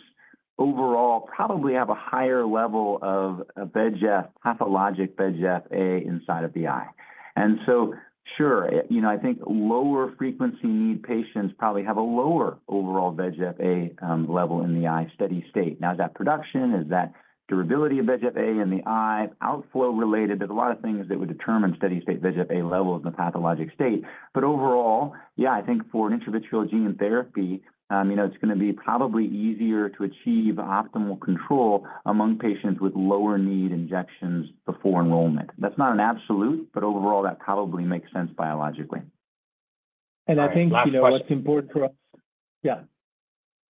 overall probably have a higher level of VEGF, pathologic VEGF-A inside of the eye. And so, sure, you know, I think lower frequency need patients probably have a lower overall VEGF-A level in the eye steady state. Now, is that production, is that durability of VEGF-A in the eye, outflow related? There's a lot of things that would determine steady state VEGF-A levels in the pathologic state. But overall, yeah, I think for an intravitreal gene therapy, you know, it's gonna be probably easier to achieve optimal control among patients with lower need injections before enrollment. That's not an absolute, but overall, that probably makes sense biologically. I think- Last question. You know, what's important for us... Yeah.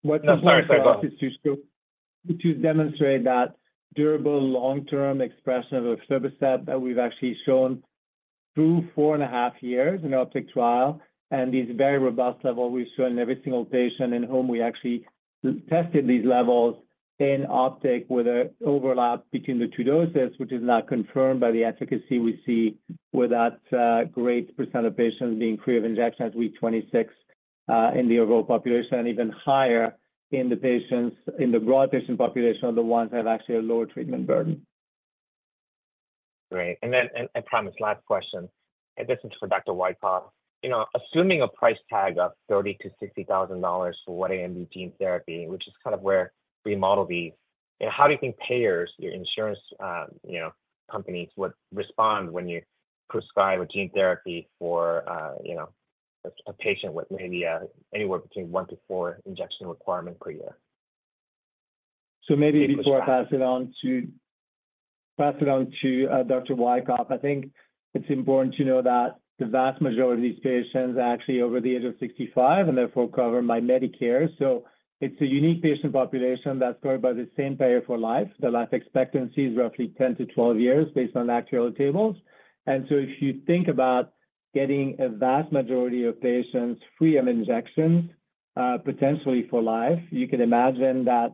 No, sorry, sorry. Go ahead. What's important for us is to demonstrate that durable long-term expression of aflibercept that we've actually shown through 4.5 years in our OPTIC trial, and these very robust level we've shown in every single patient in whom we actually tested these levels in OPTIC with an overlap between the two doses, which is now confirmed by the efficacy we see with that, great percent of patients being free of injections at week 26, in the overall population, and even higher in the patients, in the broad patient population are the ones that have actually a lower treatment burden. Great. And then, and I promise, last question, and this is for Dr. Wykoff. You know, assuming a price tag of $30,000-$60,000 for one AAV gene therapy, which is kind of where we model these, how do you think payers, your insurance, you know, companies, would respond when you prescribe a gene therapy for, you know, a, a patient with maybe, anywhere between one to four injection requirement per year? So maybe before I pass it on to Dr. Wykoff, I think it's important to know that the vast majority of these patients are actually over the age of 65 and therefore covered by Medicare. So it's a unique patient population that's covered by the same payer for life. The life expectancy is roughly 10-12 years based on actuarial tables. And so if you think about getting a vast majority of patients free of injections, potentially for life, you can imagine that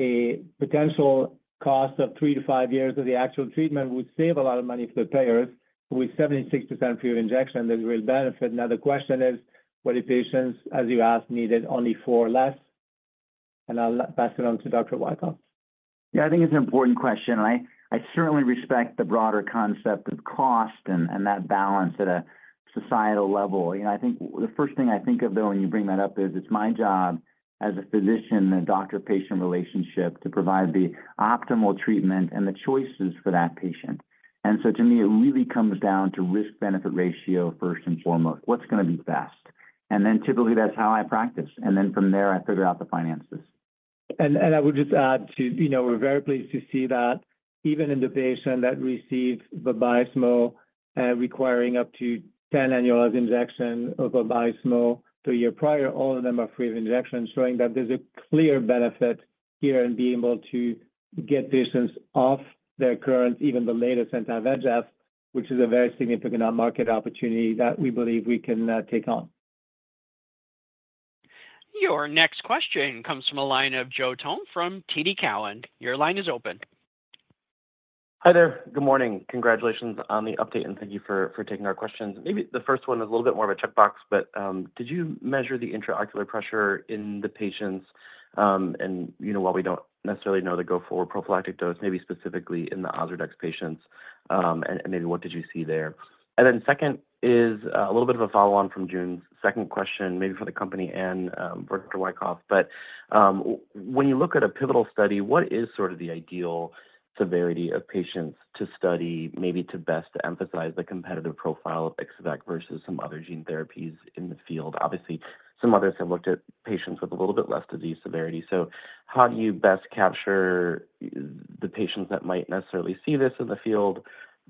a potential cost of three to five years of the actual treatment would save a lot of money for the payers. With 76% free of injection, there's real benefit. Now, the question is, what if patients, as you asked, needed only four or less? And I'll pass it on to Dr. Wykoff. Yeah, I think it's an important question, and I certainly respect the broader concept of cost and that balance at a societal level. You know, I think the first thing I think of, though, when you bring that up is it's my job as a physician in a doctor-patient relationship to provide the optimal treatment and the choices for that patient. And so to me, it really comes down to risk-benefit ratio, first and foremost. What's going to be best? And then typically, that's how I practice, and then from there, I figure out the finances. I would just add to... You know, we're very pleased to see that even in the patient that received VABYSMO, requiring up to 10 annualized injection of VABYSMO two year prior, all of them are free of injection, showing that there's a clear benefit here in being able to get patients off their current, even the latest anti-VEGF, which is a very significant market opportunity that we believe we can, take on. Your next question comes from the line of Joe Thome from TD Cowen. Your line is open. Hi there. Good morning. Congratulations on the update, and thank you for taking our questions. Maybe the first one is a little bit more of a checkbox, but did you measure the intraocular pressure in the patients? And, you know, while we don't necessarily know the go-forward prophylactic dose, maybe specifically in the OZURDEX patients, and maybe what did you see there? And then second is a little bit of a follow-on from Joon's second question, maybe for the company and for Dr. Wykoff. But when you look at a pivotal study, what is sort of the ideal severity of patients to study, maybe to best to emphasize the competitive profile of Ixo-vec versus some other gene therapies in the field? Obviously, some others have looked at patients with a little bit less disease severity. How do you best capture the patients that might necessarily see this in the field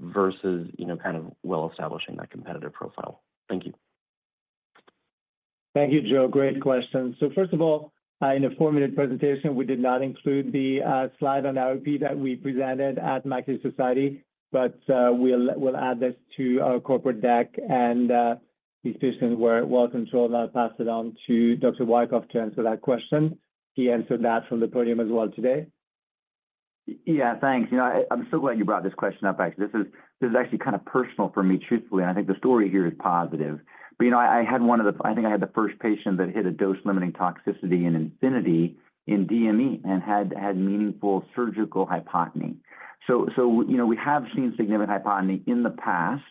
versus, you know, kind of while establishing that competitive profile? Thank you. Thank you, Joe. Great question. So first of all, in a four-minute presentation, we did not include the slide on IOP that we presented at Macular Society, but we'll add this to our corporate deck, and these patients were well controlled. I'll pass it on to Dr. Wykoff to answer that question. He answered that from the podium as well today. Yeah, thanks. You know, I'm so glad you brought this question up, actually. This is actually kind of personal for me, truthfully, and I think the story here is positive. But you know, I think I had the first patient that hit a dose-limiting toxicity in INFINITY in DME and had meaningful surgical hypotony. So you know, we have seen significant hypotony in the past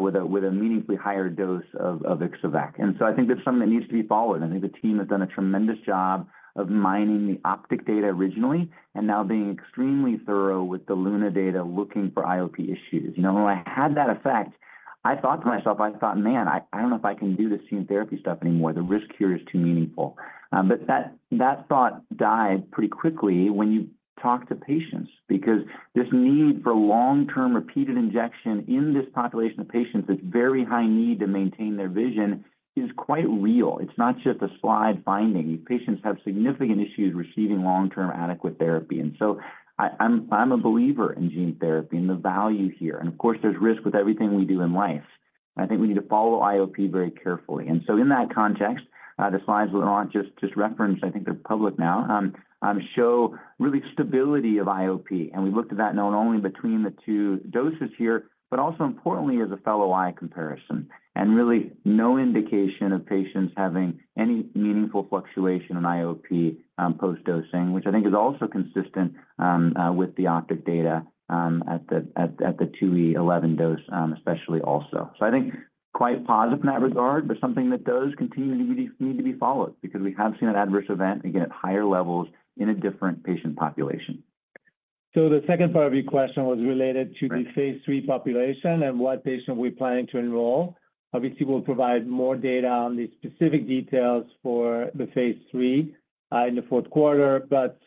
with a meaningfully higher dose of Ixo-vec. And so I think that's something that needs to be followed, and I think the team has done a tremendous job of mining the OPTIC data originally and now being extremely thorough with the LUNA data, looking for IOP issues. You know, when I had that effect, I thought to myself, I thought, "Man, I, I don't know if I can do this gene therapy stuff anymore. The risk here is too meaningful." But that thought died pretty quickly when you talk to patients because this need for long-term, repeated injection in this population of patients, this very high need to maintain their vision, is quite real. It's not just a slide finding. Patients have significant issues receiving long-term adequate therapy. And so I'm a believer in gene therapy and the value here, and of course, there's risk with everything we do in life. I think we need to follow IOP very carefully. And so in that context, the slides we're on just reference, I think they're public now, show really stability of IOP, and we looked at that not only between the two doses here, but also importantly, as a fellow eye comparison. And really no indication of patients having any meaningful fluctuation in IOP post-dosing, which I think is also consistent with the OPTIC data at the 2E11 dose, especially also. So I think quite positive in that regard, but something that does continue to be, need to be followed because we have seen an adverse event, again, at higher levels in a different patient population. So the second part of your question was related- Right... to the phase III population and what patient we're planning to enroll. Obviously, we'll provide more data on the specific details for the phase III in the fourth quarter. But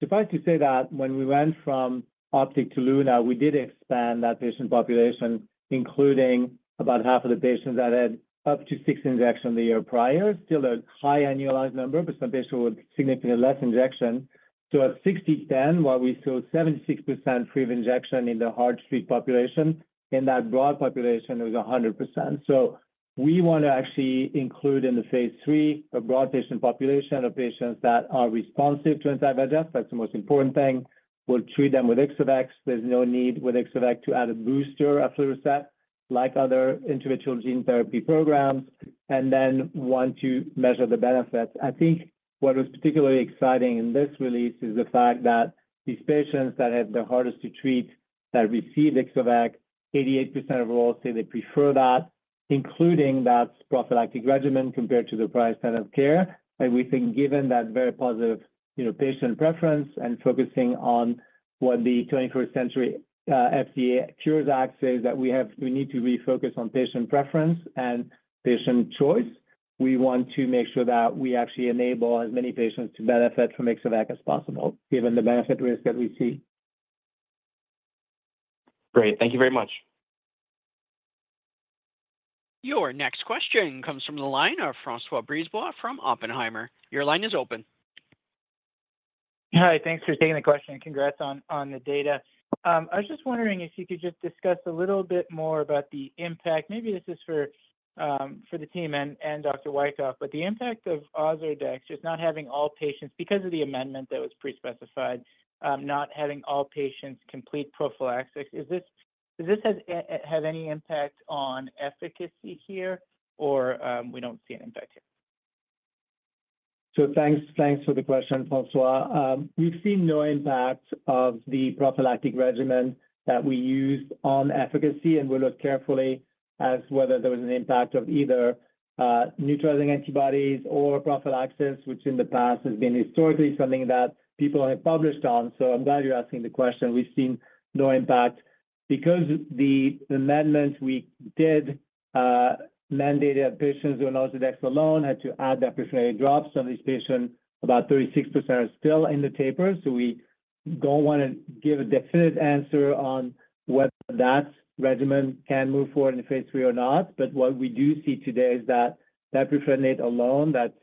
suffice to say that when we went from OPTIC to LUNA, we did expand that patient population, including about half of the patients that had up to six injections the year prior. Still a high annualized number, but some patients with significantly less injection. So at six to 10, while we saw 76% free of injection in the hard-to-treat population, in that broad population, it was 100%. So we want to actually include in the phase III a broad patient population of patients that are responsive to anti-VEGF. That's the most important thing. We'll treat them with Ixo-vec. There's no need with Ixo-vec to add a booster, aflibercept, like other individual gene therapy programs, and then want to measure the benefits. I think what was particularly exciting in this release is the fact that these patients that are the hardest to treat, that receive Ixo-vec, 88% of all say they prefer that, including that prophylactic regimen, compared to the prior standard of care. We think given that very positive, you know, patient preference and focusing on what the 21st Century Cures Act says, that we need to refocus on patient preference and patient choice. We want to make sure that we actually enable as many patients to benefit from Ixo-vec as possible, given the benefit risk that we see. Great. Thank you very much. Your next question comes from the line of François Brisebois from Oppenheimer. Your line is open. Hi, thanks for taking the question, and congrats on the data. I was just wondering if you could just discuss a little bit more about the impact. Maybe this is for the team and Dr. Wykoff, but the impact of OZURDEX, just not having all patients, because of the amendment that was pre-specified, not having all patients complete prophylaxis. Is this, does this has have any impact on efficacy here or, we don't see an impact here? So thanks, thanks for the question, François. We've seen no impact of the prophylactic regimen that we used on efficacy, and we looked carefully as whether there was an impact of either, neutralizing antibodies or prophylaxis, which in the past has been historically something that people have published on. So I'm glad you're asking the question. We've seen no impact. Because the amendments we did, mandated patients on OZURDEX alone, had to add the appropriate drops. So these patients, about 36% are still in the taper, so we don't want to give a definitive answer on whether that regimen can move forward in the phase III or not. But what we do see today is that difluprednate alone, that,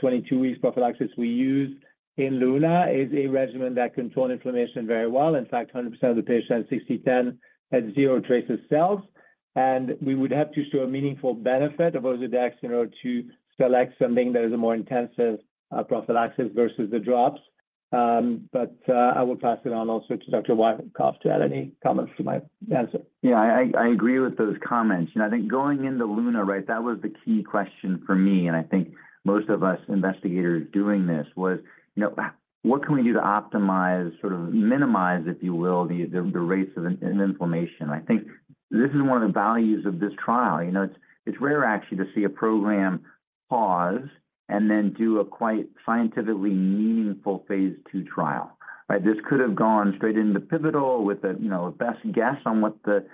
22 weeks prophylaxis we used in LUNA, is a regimen that control inflammation very well. In fact, 100% of the patients in 6E10 had zero trace cells, and we would have to show a meaningful benefit of OZURDEX in order to select something that is a more intensive prophylaxis versus the drops. I will pass it on also to Dr. Wykoff to add any comments to my answer. Yeah, I agree with those comments. I think going into LUNA, right, that was the key question for me, and I think most of us investigators doing this was, you know, what can we do to optimize, sort of minimize, if you will, the rates of inflammation? I think this is one of the values of this trial. You know, it's rare actually to see a program pause and then do a quite scientifically meaningful phase II trial, right? This could have gone straight into pivotal with a, you know, a best guess on what the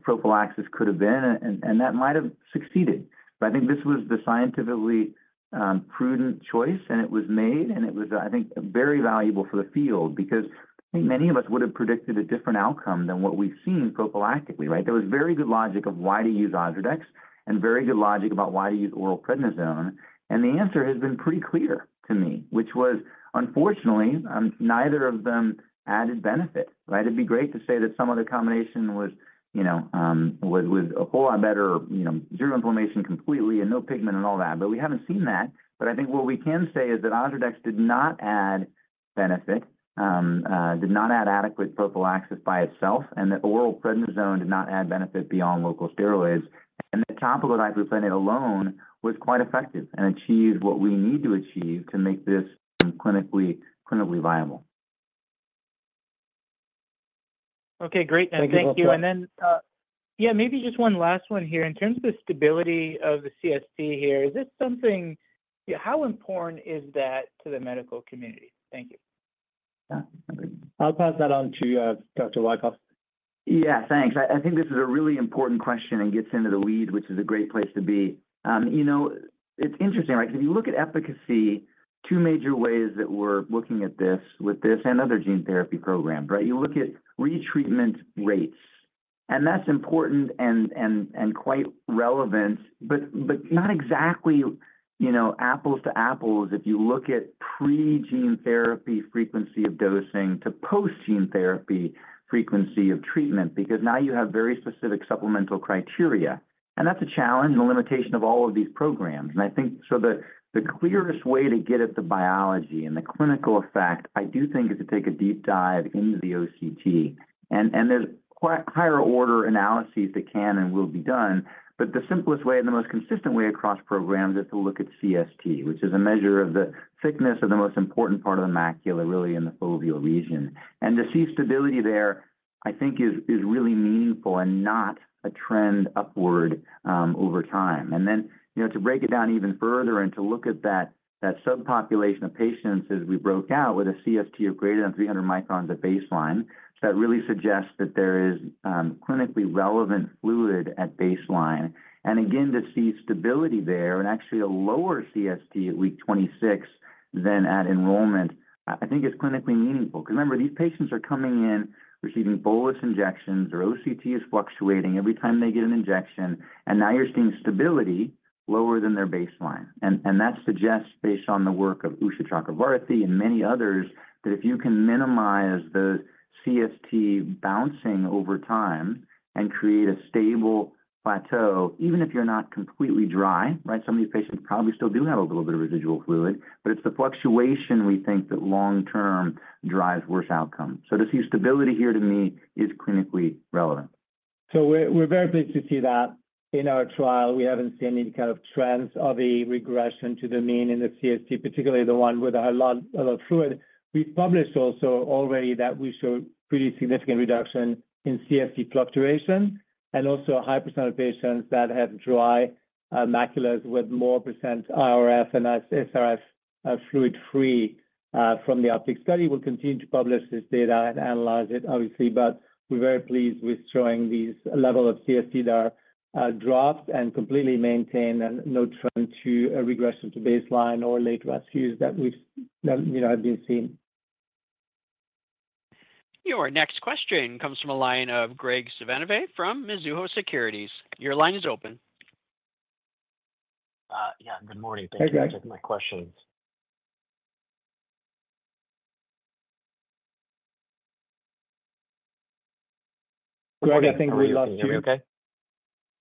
prophylaxis could have been, and that might have succeeded. But I think this was the scientifically prudent choice, and it was made, and it was, I think, very valuable for the field because, I think many of us would have predicted a different outcome than what we've seen prophylactically, right? There was very good logic of why to use OZURDEX and very good logic about why to use oral prednisone, and the answer has been pretty clear to me, which was, unfortunately, neither of them added benefit, right? It'd be great to say that some other combination was, you know, a whole lot better, you know, zero inflammation completely and no pigment and all that, but we haven't seen that. But I think what we can say is that OZURDEX did not add benefit, did not add adequate prophylaxis by itself, and that oral prednisone did not add benefit beyond local steroids. The topical difluprednate alone was quite effective and achieved what we need to achieve to make this clinically, clinically viable. Okay, great. Thank you, François. Thank you. And then, yeah, maybe just one last one here. In terms of the stability of the CST here, is this something... How important is that to the medical community? Thank you. Yeah. I'll pass that on to Dr. Wykoff. Yeah, thanks. I think this is a really important question and gets into the weeds, which is a great place to be. You know, it's interesting, right? Because if you look at efficacy, two major ways that we're looking at this, with this and other gene therapy programs, right? You look at retreatment rates, and that's important and quite relevant, but not exactly, you know, apples to apples, if you look at pre-gene therapy frequency of dosing to post-gene therapy frequency of treatment, because now you have very specific supplemental criteria. And that's a challenge and a limitation of all of these programs. And I think, so the clearest way to get at the biology and the clinical effect, I do think, is to take a deep dive into the OCT. And there's quite higher order analyses that can and will be done, but the simplest way and the most consistent way across programs is to look at CST, which is a measure of the thickness of the most important part of the macula, really in the foveal region. And to see stability there, I think is really meaningful and not a trend upward over time. And then, you know, to break it down even further and to look at that subpopulation of patients as we broke out with a CST of greater than 300 microns at baseline, that really suggests that there is clinically relevant fluid at baseline. And again, to see stability there and actually a lower CST at week 26 than at enrollment, I think is clinically meaningful. Because remember, these patients are coming in receiving bolus injections. Their OCT is fluctuating every time they get an injection, and now you're seeing stability lower than their baseline. And that suggests, based on the work of Usha Chakravarthy and many others, that if you can minimize the CST bouncing over time and create a stable plateau, even if you're not completely dry, right? Some of these patients probably still do have a little bit of residual fluid, but it's the fluctuation, we think, that long-term drives worse outcomes. So to see stability here, to me, is clinically relevant. So we're very pleased to see that in our trial. We haven't seen any kind of trends of a regression to the mean in the CST, particularly the one with a lot, a lot of fluid. We published also already that we show pretty significant reduction in CST fluctuation, and also a high percent of patients that have dry maculas with more percent IRF and SRF fluid free from the OPTIC study. We'll continue to publish this data and analyze it, obviously, but we're very pleased with showing these level of CST that are dropped and completely maintained, and no trend to a regression to baseline or late rises that you know have been seen. Your next question comes from a line of Graig Suvannavejh from Mizuho Securities. Your line is open. Yeah, good morning. Hey, Graig. Thanks for taking my questions. Graig, I think we lost you. Can you hear me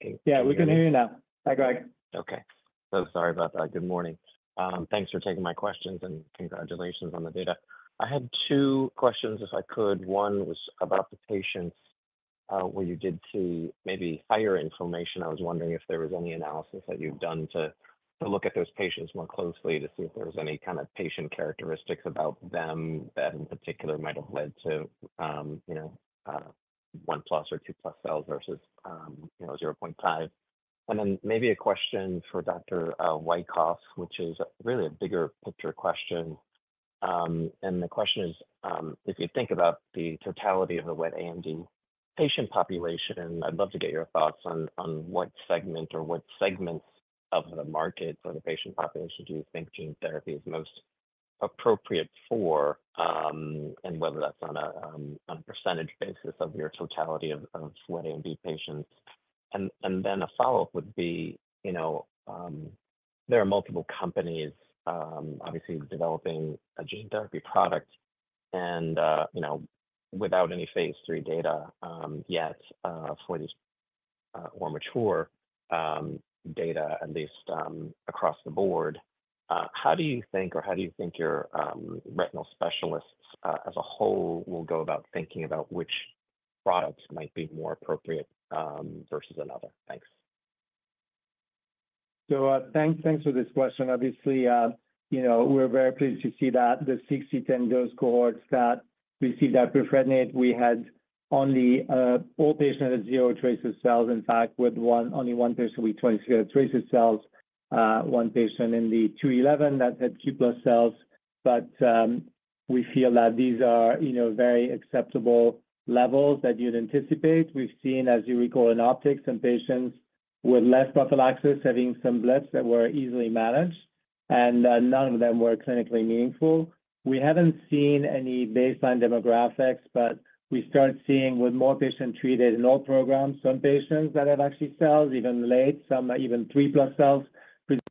okay? Yeah, we can hear you now. Hi, Graig. Okay. So sorry about that. Good morning. Thanks for taking my questions, and congratulations on the data. I had two questions, if I could. One was about the patients, where you did see maybe higher inflammation. I was wondering if there was any analysis that you've done to look at those patients more closely to see if there was any kind of patient characteristics about them that in particular might have led to, you know, 1+ or 2+ cells versus, you know, 0.5. And then maybe a question for Dr. Wykoff, which is really a bigger picture question. The question is, if you think about the totality of the wet AMD patient population, I'd love to get your thoughts on what segment or what segments of the market or the patient population do you think gene therapy is most appropriate for, and whether that's on a percentage basis of your totality of wet AMD patients. And then a follow-up would be, you know, there are multiple companies obviously developing a gene therapy product and, you know, without any phase III data yet for these more mature data, at least across the board, how do you think your retinal specialists as a whole will go about thinking about which products might be more appropriate versus another? Thanks. So, thanks, thanks for this question. Obviously, you know, we're very pleased to see that the 6E10 dose cohorts that received aflibercept, we had only, all patients had zero trace cells. In fact, with one, only one patient with 20 trace cells, one patient in the 2E11 that had 2+ cells. But, we feel that these are, you know, very acceptable levels that you'd anticipate. We've seen, as you recall, in OPTIC, some patients with less prophylaxis having some blebs that were easily managed, and, none of them were clinically meaningful. We haven't seen any baseline demographics, but we start seeing with more patients treated in all programs, some patients that have actually cells, even late, some even 3+ cells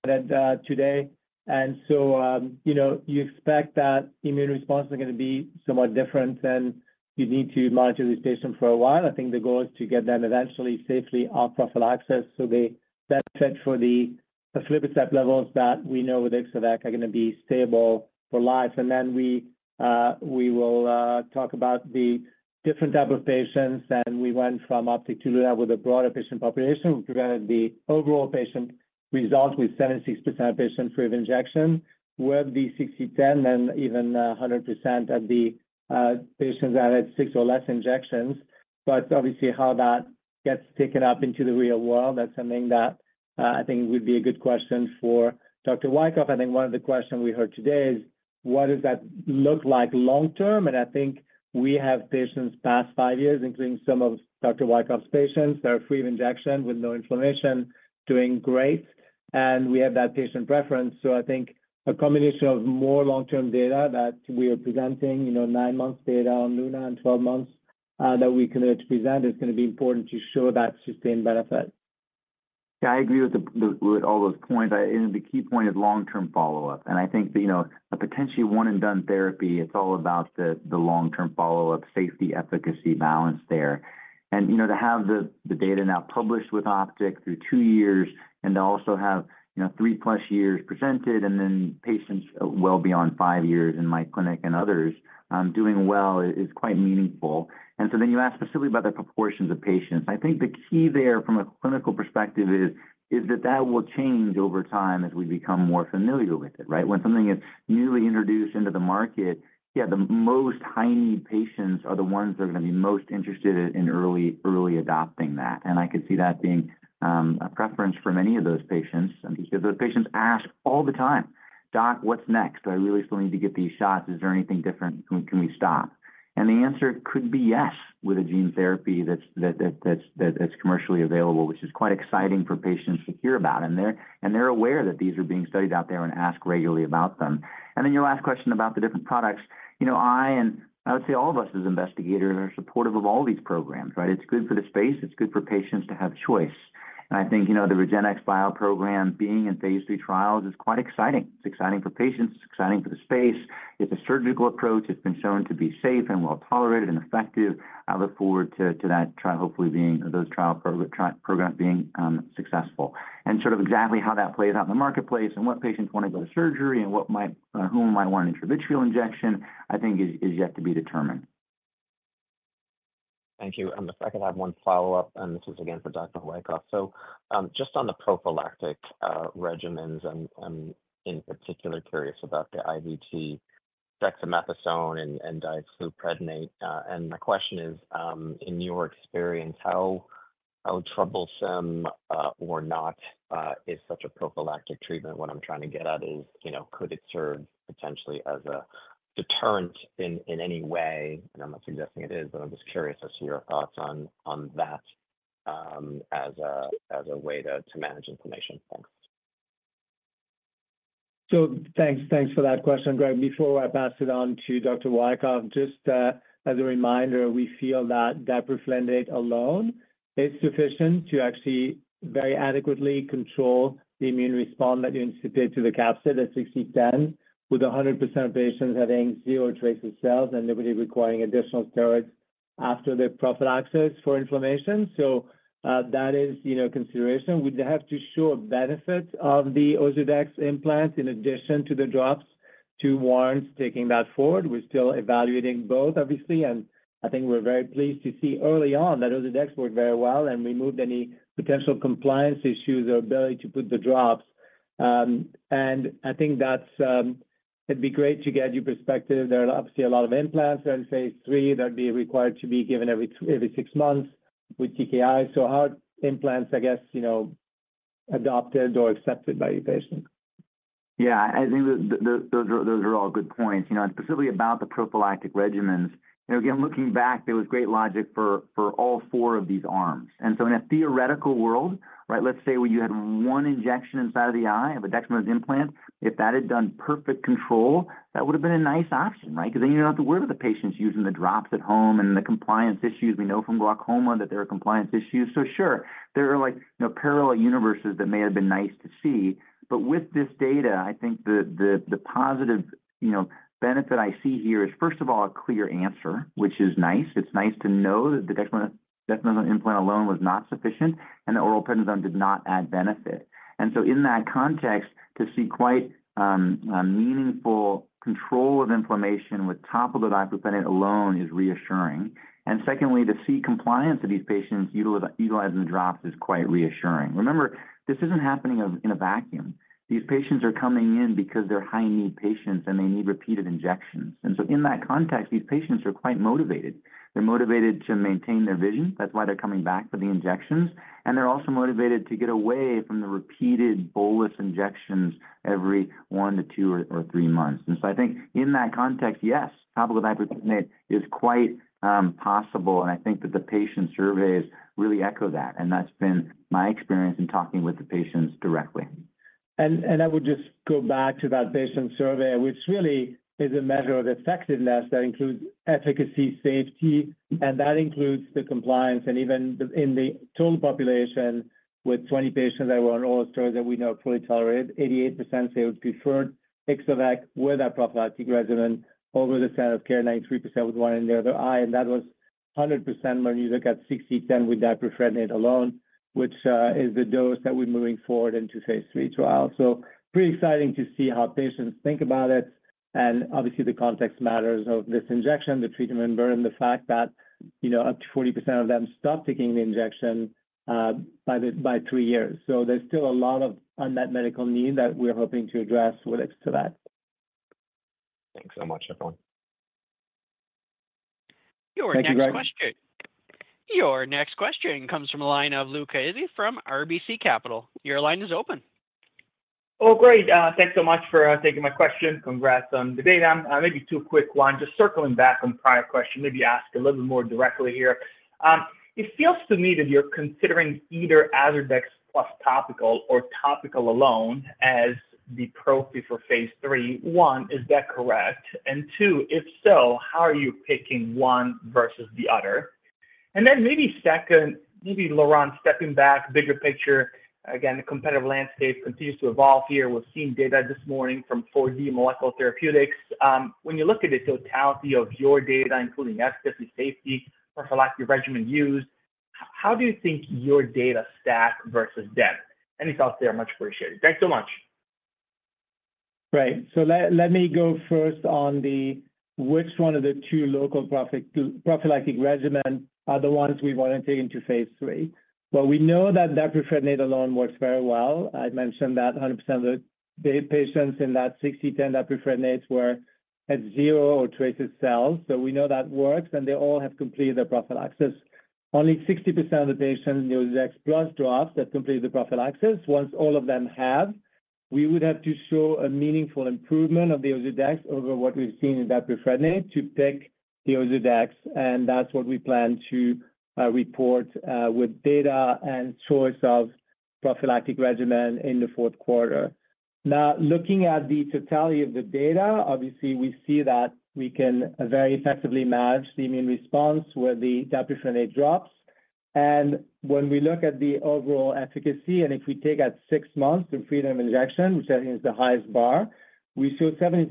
presented, today. You know, you expect that immune response is gonna be somewhat different, and you need to monitor these patients for a while. I think the goal is to get them eventually safely off prophylaxis, so they are set for the aflibercept levels that we know with Ixo-vec are gonna be stable for life. Then we will talk about the different type of patients, and we went from OPTIC to LUNA with a broader patient population. We presented the overall patient results with 76% of patients free of injection, with the 6E10 and even 100% of the patients that had six or less injections. But obviously, how that gets taken up into the real world, that's something that I think would be a good question for Dr. Wykoff. I think one of the questions we heard today is, what does that look like long-term? And I think we have patients past five years, including some of Dr. Wykoff's patients, that are free of injection with no inflammation, doing great, and we have that patient preference. So I think a combination of more long-term data that we are presenting, you know, nine months data on LUNA and 12 months, that we committed to present, is gonna be important to show that sustained benefit. Yeah, I agree with all those points. And the key point is long-term follow-up, and I think that, you know, a potentially one-and-done therapy, it's all about the long-term follow-up, safety, efficacy, balance there. And, you know, to have the data now published with OPTIC through two years, and to also have, you know, 3+ years presented, and then patients well beyond five years in my clinic and others doing well is quite meaningful. And so then you asked specifically about the proportions of patients. I think the key there from a clinical perspective is that that will change over time as we become more familiar with it, right? When something is newly introduced into the market, yeah, the most tiny patients are the ones that are gonna be most interested in early adopting that. And I could see that being a preference for many of those patients, because those patients ask all the time: "Doc, what's next? I really still need to get these shots. Is there anything different? Can we, can we stop?" And the answer could be yes, with a gene therapy that's commercially available, which is quite exciting for patients to hear about, and they're aware that these are being studied out there and ask regularly about them. And then your last question about the different products. You know, I would say all of us as investigators are supportive of all these programs, right? It's good for the space, it's good for patients to have choice.... And I think, you know, the REGENXBIO program being in phase III trials is quite exciting. It's exciting for patients, it's exciting for the space. It's a surgical approach. It's been shown to be safe and well-tolerated and effective. I look forward to that trial hopefully being, or those trial program, trial program being, successful. And sort of exactly how that plays out in the marketplace and what patients want to go to surgery and what might, whom might want an intravitreal injection, I think is yet to be determined. Thank you. If I could have one follow-up, and this is again for Dr. Wykoff. Just on the prophylactic regimens, I'm in particular curious about the IVT dexamethasone and difluprednate. The question is, in your experience, how troublesome or not is such a prophylactic treatment? What I'm trying to get at is, you know, could it serve potentially as a deterrent in any way? I'm not suggesting it is, but I'm just curious as to your thoughts on that as a way to manage inflammation. Thanks. Thanks. Thanks for that question, Graig. Before I pass it on to Dr. Wykoff, just, as a reminder, we feel that difluprednate alone is sufficient to actually very adequately control the immune response that you instigate to the capsid at 6E10, with 100% of patients having zero trace cells and nobody requiring additional steroids after the prophylaxis for inflammation. So, that is, you know, consideration. We'd have to show a benefit of the OZURDEX implant in addition to the drops to warrant taking that forward. We're still evaluating both, obviously, and I think we're very pleased to see early on that OZURDEX worked very well and removed any potential compliance issues or ability to put the drops. And I think that's, it'd be great to get your perspective. There are obviously a lot of implants in phase III that'd be required to be given every six months with TKI. So how are implants, I guess, you know, adopted or accepted by your patients? Yeah, I think those are all good points. You know, and specifically about the prophylactic regimens, you know, again, looking back, there was great logic for all four of these arms. And so in a theoretical world, right, let's say when you had one injection inside of the eye of a dexamethasone implant, if that had done perfect control, that would've been a nice option, right? Because then you don't have to worry about the patients using the drops at home and the compliance issues. We know from glaucoma that there are compliance issues. So sure, there are like, you know, parallel universes that may have been nice to see. But with this data, I think the positive, you know, benefit I see here is, first of all, a clear answer, which is nice. It's nice to know that the dexamethasone, dexamethasone implant alone was not sufficient and the oral prednisone did not add benefit. And so in that context, to see quite a meaningful control of inflammation with topical difluprednate alone is reassuring. And secondly, to see compliance of these patients utilizing the drops is quite reassuring. Remember, this isn't happening in a vacuum. These patients are coming in because they're high-need patients, and they need repeated injections. And so in that context, these patients are quite motivated. They're motivated to maintain their vision. That's why they're coming back for the injections, and they're also motivated to get away from the repeated bolus injections every one to two or three months. So I think in that context, yes, topical difluprednate is quite possible, and I think that the patient surveys really echo that, and that's been my experience in talking with the patients directly. I would just go back to that patient survey, which really is a measure of effectiveness that includes efficacy, safety, and that includes the compliance. Even in the n=10 population, with 20 patients that were on oral steroids that we know fully tolerated, 88% say they would prefer Ixo-vec with that prophylactic regimen over the standard of care, 93% with one in the other eye. And that was 100% when you look at 6E10 with difluprednate alone, which is the dose that we're moving forward into phase III trial. So pretty exciting to see how patients think about it, and obviously, the context matters of this injection, the treatment burden, the fact that, you know, up to 40% of them stopped taking the injection by three years. There's still a lot of unmet medical need that we're hoping to address with respect to that. Thanks so much, everyone. Your next question- Thank you, Graig. Your next question comes from the line of Luca Issi from RBC Capital Markets. Your line is open. Oh, great. Thanks so much for taking my question. Congrats on the data. Maybe two quick ones. Just circling back on prior question, maybe ask a little bit more directly here. It feels to me that you're considering either OZURDEX plus topical or topical alone as the prophy for phase III. One, is that correct? And two, if so, how are you picking one versus the other? And then maybe second, maybe Laurent stepping back, bigger picture. Again, the competitive landscape continues to evolve here. We're seeing data this morning from 4D Molecular Therapeutics. When you look at the totality of your data, including efficacy, safety, prophylactic regimen used, how do you think your data stacks up versus them? Any thoughts there? Much appreciated. Thanks so much. Right. So let me go first on which one of the two local prophylactic regimens are the ones we want to take into phase III. Well, we know that difluprednate alone works very well. I mentioned that 100% of the patients in that 6E10 difluprednate were at zero or trace cells, so we know that works, and they all have completed their prophylaxis. Only 60% of the patients in the OZURDEX plus drops have completed the prophylaxis. Once all of them have, we would have to show a meaningful improvement of the OZURDEX over what we've seen in difluprednate to pick the OZURDEX, and that's what we plan to report with data and choice of prophylactic regimen in the fourth quarter. Now, looking at the totality of the data, obviously, we see that we can very effectively manage the immune response where the difluprednate drops. And when we look at the overall efficacy, and if we take at six months the freedom of injection, which I think is the highest bar, we show 76%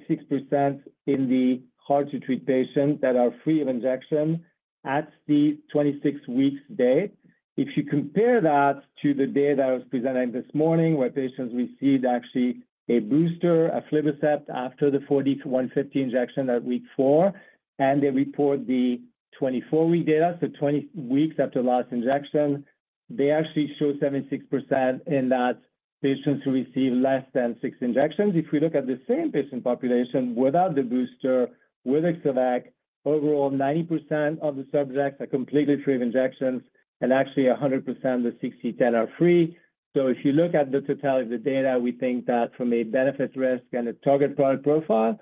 in the hard-to-treat patients that are free of injection at the 26 weeks date. If you compare that to the data that was presented this morning, where patients received actually a booster, aflibercept, after the 4D-150 injection at week four, and they report the 24-week data, so 20 weeks after last injection, they actually show 76% in that patients who receive less than six injections. If we look at the same patient population without the booster, with aflibercept, overall, 90% of the subjects are completely free of injections, and actually, 100% of the 6E10 are free. So if you look at the totality of the data, we think that from a benefit risk and a target product profile,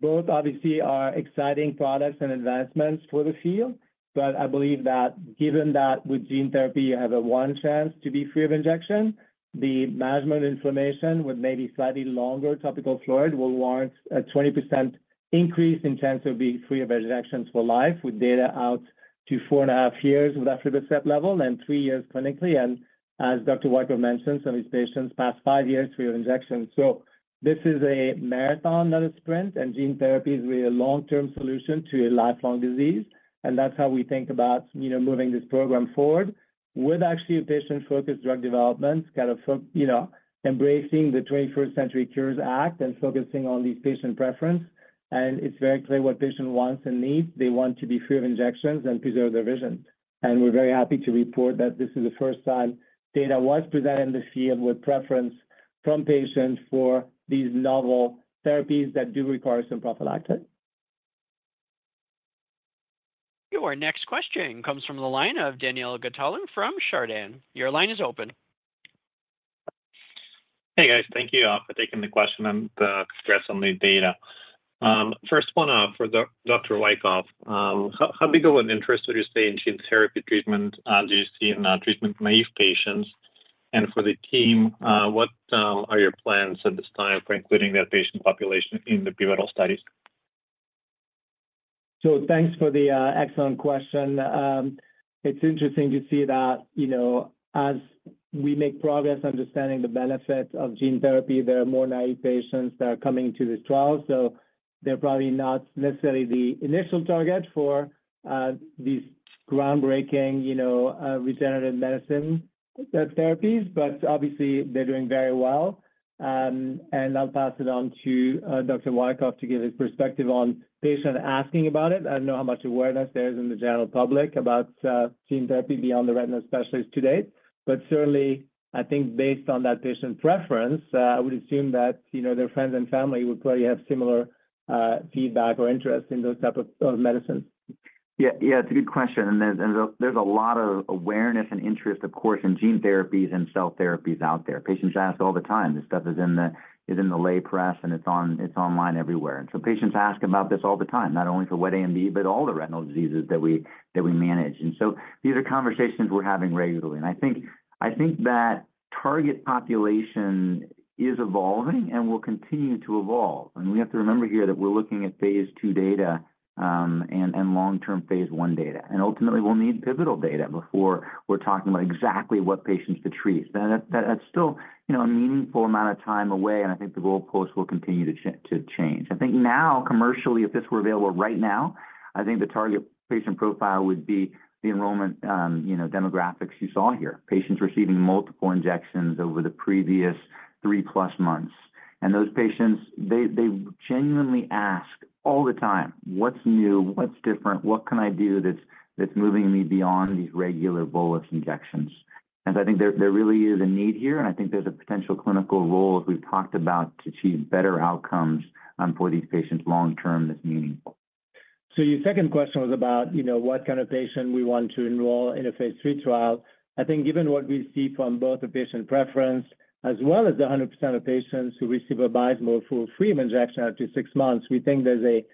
both obviously are exciting products and advancements for the field. But I believe that given that with gene therapy, you have a one chance to be free of injection, the management inflammation with maybe slightly longer topical steroid will warrant a 20% increase in chance of being free of injections for life, with data out to 4.5 years with aflibercept level and three years clinically. And as Dr. Wykoff mentioned, some of his patients passed five years free of injections. So this is a marathon, not a sprint, and gene therapy is a long-term solution to a lifelong disease, and that's how we think about, you know, moving this program forward with actually a patient-focused drug development, kind of you know, embracing the 21st Century Cures Act and focusing on these patient preference. And it's very clear what patient wants and needs. They want to be free of injections and preserve their vision. And we're very happy to report that this is the first time data was presented in the field with preference from patients for these novel therapies that do require some prophylactic. Your next question comes from the line of Daniil Gataulin from Chardan. Your line is open. Hey, guys. Thank you for taking the question and the stress on the data. First one, for Dr. Wykoff. How big of an interest would you say in gene therapy treatment do you see in treatment-naive patients? And for the team, what are your plans at this time for including that patient population in the pivotal studies? So thanks for the excellent question. It's interesting to see that, you know, as we make progress understanding the benefit of gene therapy, there are more naive patients that are coming to this trial. So they're probably not necessarily the initial target for these groundbreaking, you know, regenerative medicine therapies, but obviously, they're doing very well. And I'll pass it on to Dr. Wykoff to give his perspective on patient asking about it. I don't know how much awareness there is in the general public about gene therapy beyond the retina specialist to date. But certainly, I think based on that patient preference, I would assume that, you know, their friends and family would probably have similar feedback or interest in those type of medicines. Yeah, yeah, it's a good question, and there's a lot of awareness and interest, of course, in gene therapies and cell therapies out there. Patients ask all the time. This stuff is in the lay press, and it's online everywhere. And so patients ask about this all the time, not only for wet AMD, but all the retinal diseases that we manage. And so these are conversations we're having regularly, and I think that target population is evolving and will continue to evolve. And we have to remember here that we're looking at phase II data, and long-term phase I data. And ultimately, we'll need pivotal data before we're talking about exactly what patients to treat. That, that's still, you know, a meaningful amount of time away, and I think the goalpost will continue to change. I think now, commercially, if this were available right now, I think the target patient profile would be the enrollment, you know, demographics you saw here, patients receiving multiple injections over the previous 3+ months. And those patients, they, they genuinely ask all the time, "What's new? What's different? What can I do that's, that's moving me beyond these regular bolus injections?" And I think there, there really is a need here, and I think there's a potential clinical role, as we've talked about, to achieve better outcomes, for these patients long-term that's meaningful. So your second question was about, you know, what kind of patient we want to enroll in a phase III trial. I think given what we see from both the patient preference as well as the 100% of patients who receive VABYSMO for free injection after six months, we think there's a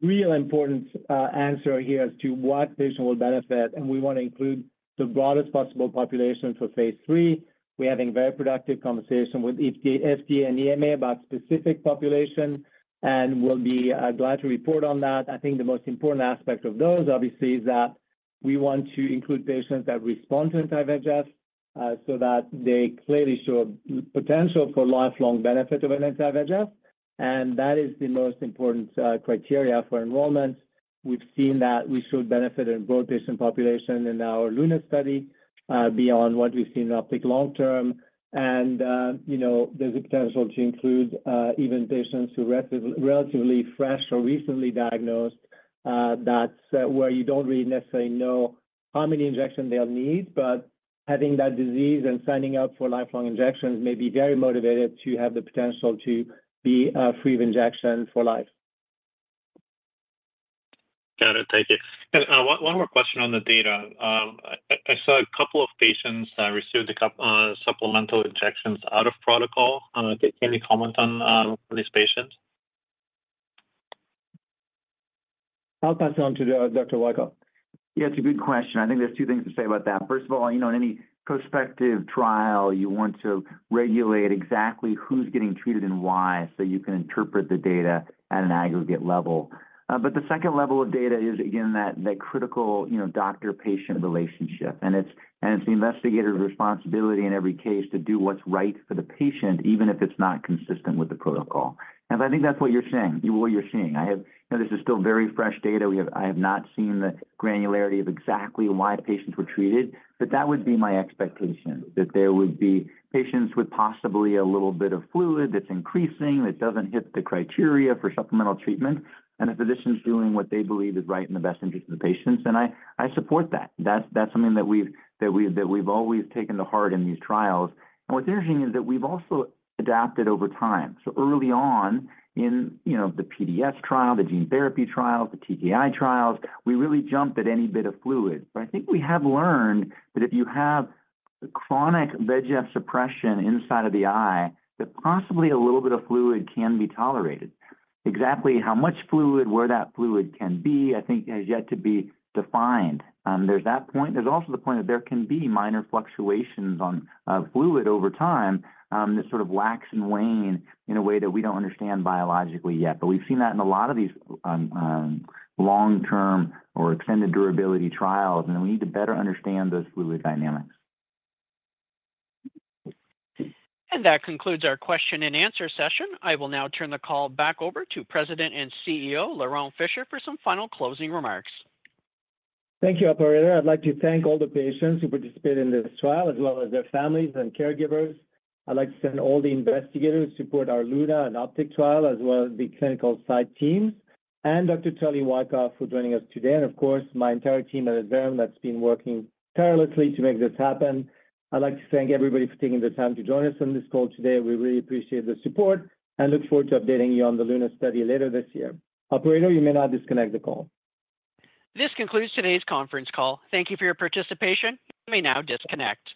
real important answer here as to what patient will benefit, and we want to include the broadest possible population for phase III. We're having very productive conversation with FDA and EMA about specific population, and we'll be glad to report on that. I think the most important aspect of those, obviously, is that we want to include patients that respond to anti-VEGF, so that they clearly show potential for lifelong benefit of an anti-VEGF, and that is the most important criteria for enrollment. We've seen that we showed benefit in both patient population in our LUNA study, beyond what we've seen in OPTIC long-term. And, you know, there's a potential to include even patients who relatively fresh or recently diagnosed, that's where you don't really necessarily know how many injections they'll need. But having that disease and signing up for lifelong injections may be very motivated to have the potential to be, free of injection for life. Got it. Thank you. One more question on the data. I saw a couple of patients received a couple of supplemental injections out of protocol. Can you comment on these patients?... I'll pass it on to Dr. Wykoff. Yeah, it's a good question. I think there's two things to say about that. First of all, you know, in any prospective trial, you want to regulate exactly who's getting treated and why, so you can interpret the data at an aggregate level. But the second level of data is, again, that, that critical, you know, doctor-patient relationship, and it's, and it's the investigator's responsibility in every case to do what's right for the patient, even if it's not consistent with the protocol. I think that's what you're saying, what you're seeing. Now, this is still very fresh data. I have not seen the granularity of exactly why patients were treated, but that would be my expectation, that there would be patients with possibly a little bit of fluid that's increasing, that doesn't hit the criteria for supplemental treatment, and the physician's doing what they believe is right in the best interest of the patients, and I support that. That's something that we've always taken to heart in these trials. And what's interesting is that we've also adapted over time. So early on in, you know, the PDS trial, the gene therapy trials, the TKI trials, we really jumped at any bit of fluid. But I think we have learned that if you have chronic VEGF suppression inside of the eye, that possibly a little bit of fluid can be tolerated. Exactly how much fluid, where that fluid can be, I think, has yet to be defined. There's that point. There's also the point that there can be minor fluctuations on fluid over time, that sort of wax and wane in a way that we don't understand biologically yet. But we've seen that in a lot of these long-term or extended durability trials, and we need to better understand those fluid dynamics. And that concludes our question-and-answer session. I will now turn the call back over to President and CEO, Laurent Fischer, for some final closing remarks. Thank you, operator. I'd like to thank all the patients who participated in this trial, as well as their families and caregivers. I'd like to thank all the investigators who support our LUNA and OPTIC trial, as well as the clinical site teams, and Dr. Charles Wykoff for joining us today, and of course, my entire team at Adverum that's been working tirelessly to make this happen. I'd like to thank everybody for taking the time to join us on this call today. We really appreciate the support and look forward to updating you on the LUNA study later this year. Operator, you may now disconnect the call. This concludes today's conference call. Thank you for your participation. You may now disconnect.